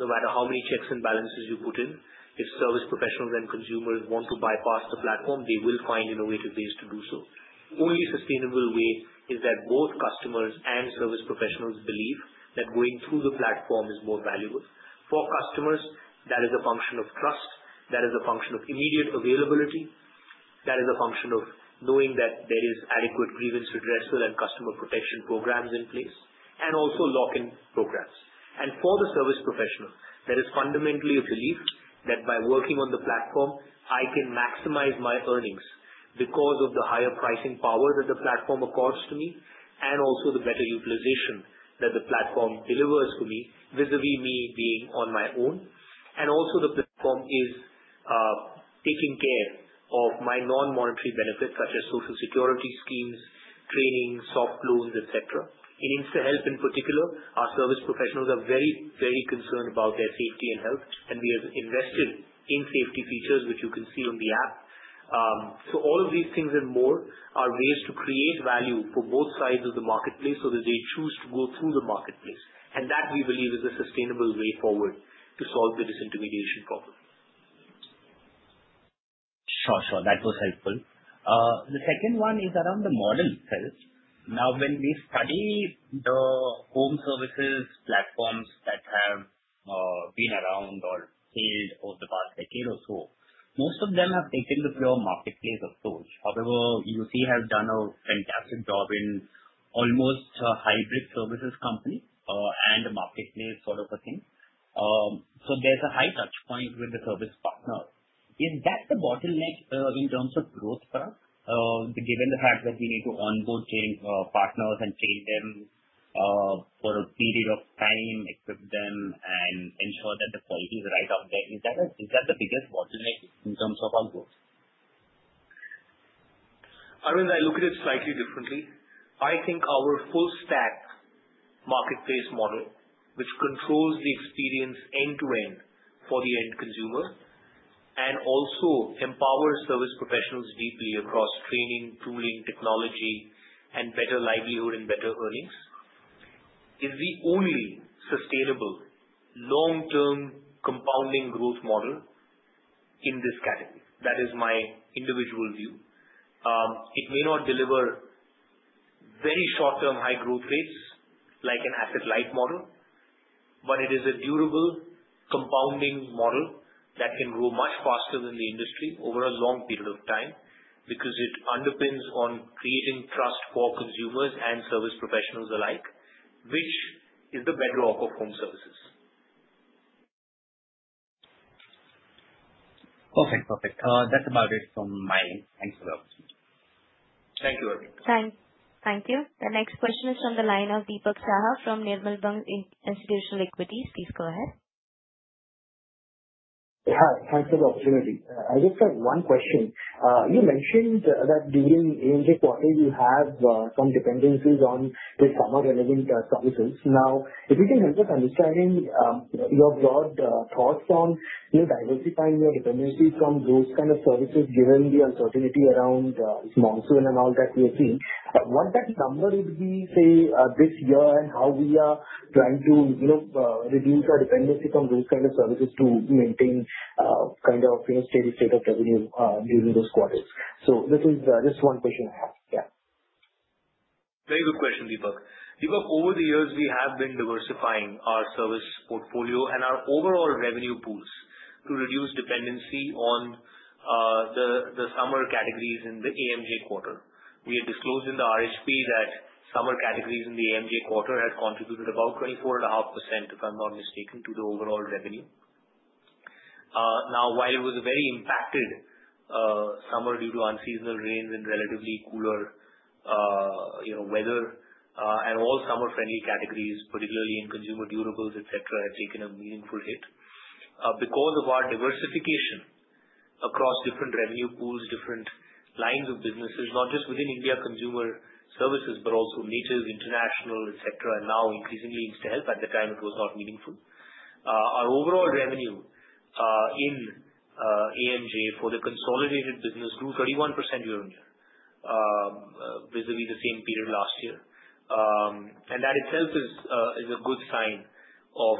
No matter how many checks and balances you put in, if service professionals and consumers want to bypass the platform, they will find innovative ways to do so. Only sustainable way is that both customers and service professionals believe that going through the platform is more valuable. For customers, that is a function of trust. That is a function of immediate availability. That is a function of knowing that there is adequate grievance redressal and customer protection programs in place, and also lock-in programs. And for the service professional, there is fundamentally a belief that by working on the platform, I can maximize my earnings because of the higher pricing power that the platform accords to me and also the better utilization that the platform delivers for me vis-à-vis me being on my own. And also, the platform is taking care of my non-monetary benefits such as social security schemes, training, soft loans, etc. In InstaHealth, in particular, our service professionals are very, very concerned about their safety and health. And we have invested in safety features, which you can see on the app. So all of these things and more are ways to create value for both sides of the marketplace so that they choose to go through the marketplace. And that, we believe, is a sustainable way forward to solve the disintermediation problem. Sure. Sure. That was helpful. The second one is around the model itself. Now, when we study the home services platforms that have been around or failed over the past decade or so, most of them have taken the pure marketplace approach. However, UC has done a fantastic job in almost a hybrid services company and a marketplace sort of a thing. So there's a high touchpoint with the service partner. Is that the bottleneck in terms of growth for us, given the fact that we need to onboard partners and train them for a period of time, equip them, and ensure that the quality is right out there? Is that the biggest bottleneck in terms of our growth? Arvind, I look at it slightly differently. I think our full-stack marketplace model, which controls the experience end-to-end for the end consumer and also empowers service professionals deeply across training, tooling, technology, and better livelihood and better earnings, is the only sustainable long-term compounding growth model in this category. That is my individual view. It may not deliver very short-term high growth rates like an asset-light model, but it is a durable compounding model that can grow much faster than the industry over a long period of time because it underpins on creating trust for consumers and service professionals alike, which is the bedrock of home services. Perfect. Perfect. That's about it from my end. Thanks for the opportunity. Thank you, Arvind. Thank you. The next question is from the line of Deepak Shah from Nirmal Bang Institutional Equities. Please go ahead. Hi. Thanks for the opportunity. I just have one question. You mentioned that during AMJ quarter, you have some dependencies on the summer relevant services. Now, if you can help us understanding your broad thoughts on diversifying your dependencies from those kinds of services given the uncertainty around monsoon and all that we have seen, what that number would be, say, this year and how we are trying to reduce our dependency from those kinds of services to maintain kind of steady state of revenue during those quarters? So this is just one question I have. Yeah. Very good question, Deepak. Deepak, over the years, we have been diversifying our service portfolio and our overall revenue pools to reduce dependency on the summer categories in the AMJ quarter. We had disclosed in the RHP that summer categories in the AMJ quarter had contributed about 24.5%, if I'm not mistaken, to the overall revenue. Now, while it was a very impacted summer due to unseasonal rains and relatively cooler weather, and all summer-friendly categories, particularly in consumer durables, etc., had taken a meaningful hit. Because of our diversification across different revenue pools, different lines of businesses, not just within India consumer services, but also native, international, etc., and now increasingly InstaHealth, at the time, it was not meaningful, our overall revenue in AMJ for the consolidated business grew 31% year-on-year vis-à-vis the same period last year. That itself is a good sign of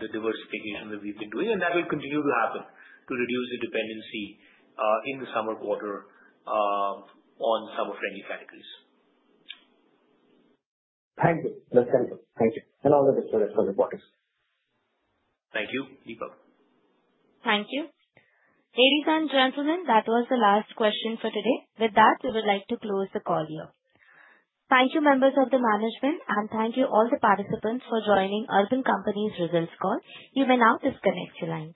the diversification that we've been doing, and that will continue to happen to reduce the dependency in the summer quarter on summer-friendly categories. Thank you. That's helpful. Thank you. And all the best for the quarters. Thank you, Deepak. Thank you. Ladies and gentlemen, that was the last question for today. With that, we would like to close the call here. Thank you, members of the management, and thank you all the participants for joining Urban Company's results call. You may now disconnect your lines.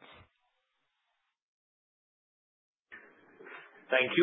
Thank you.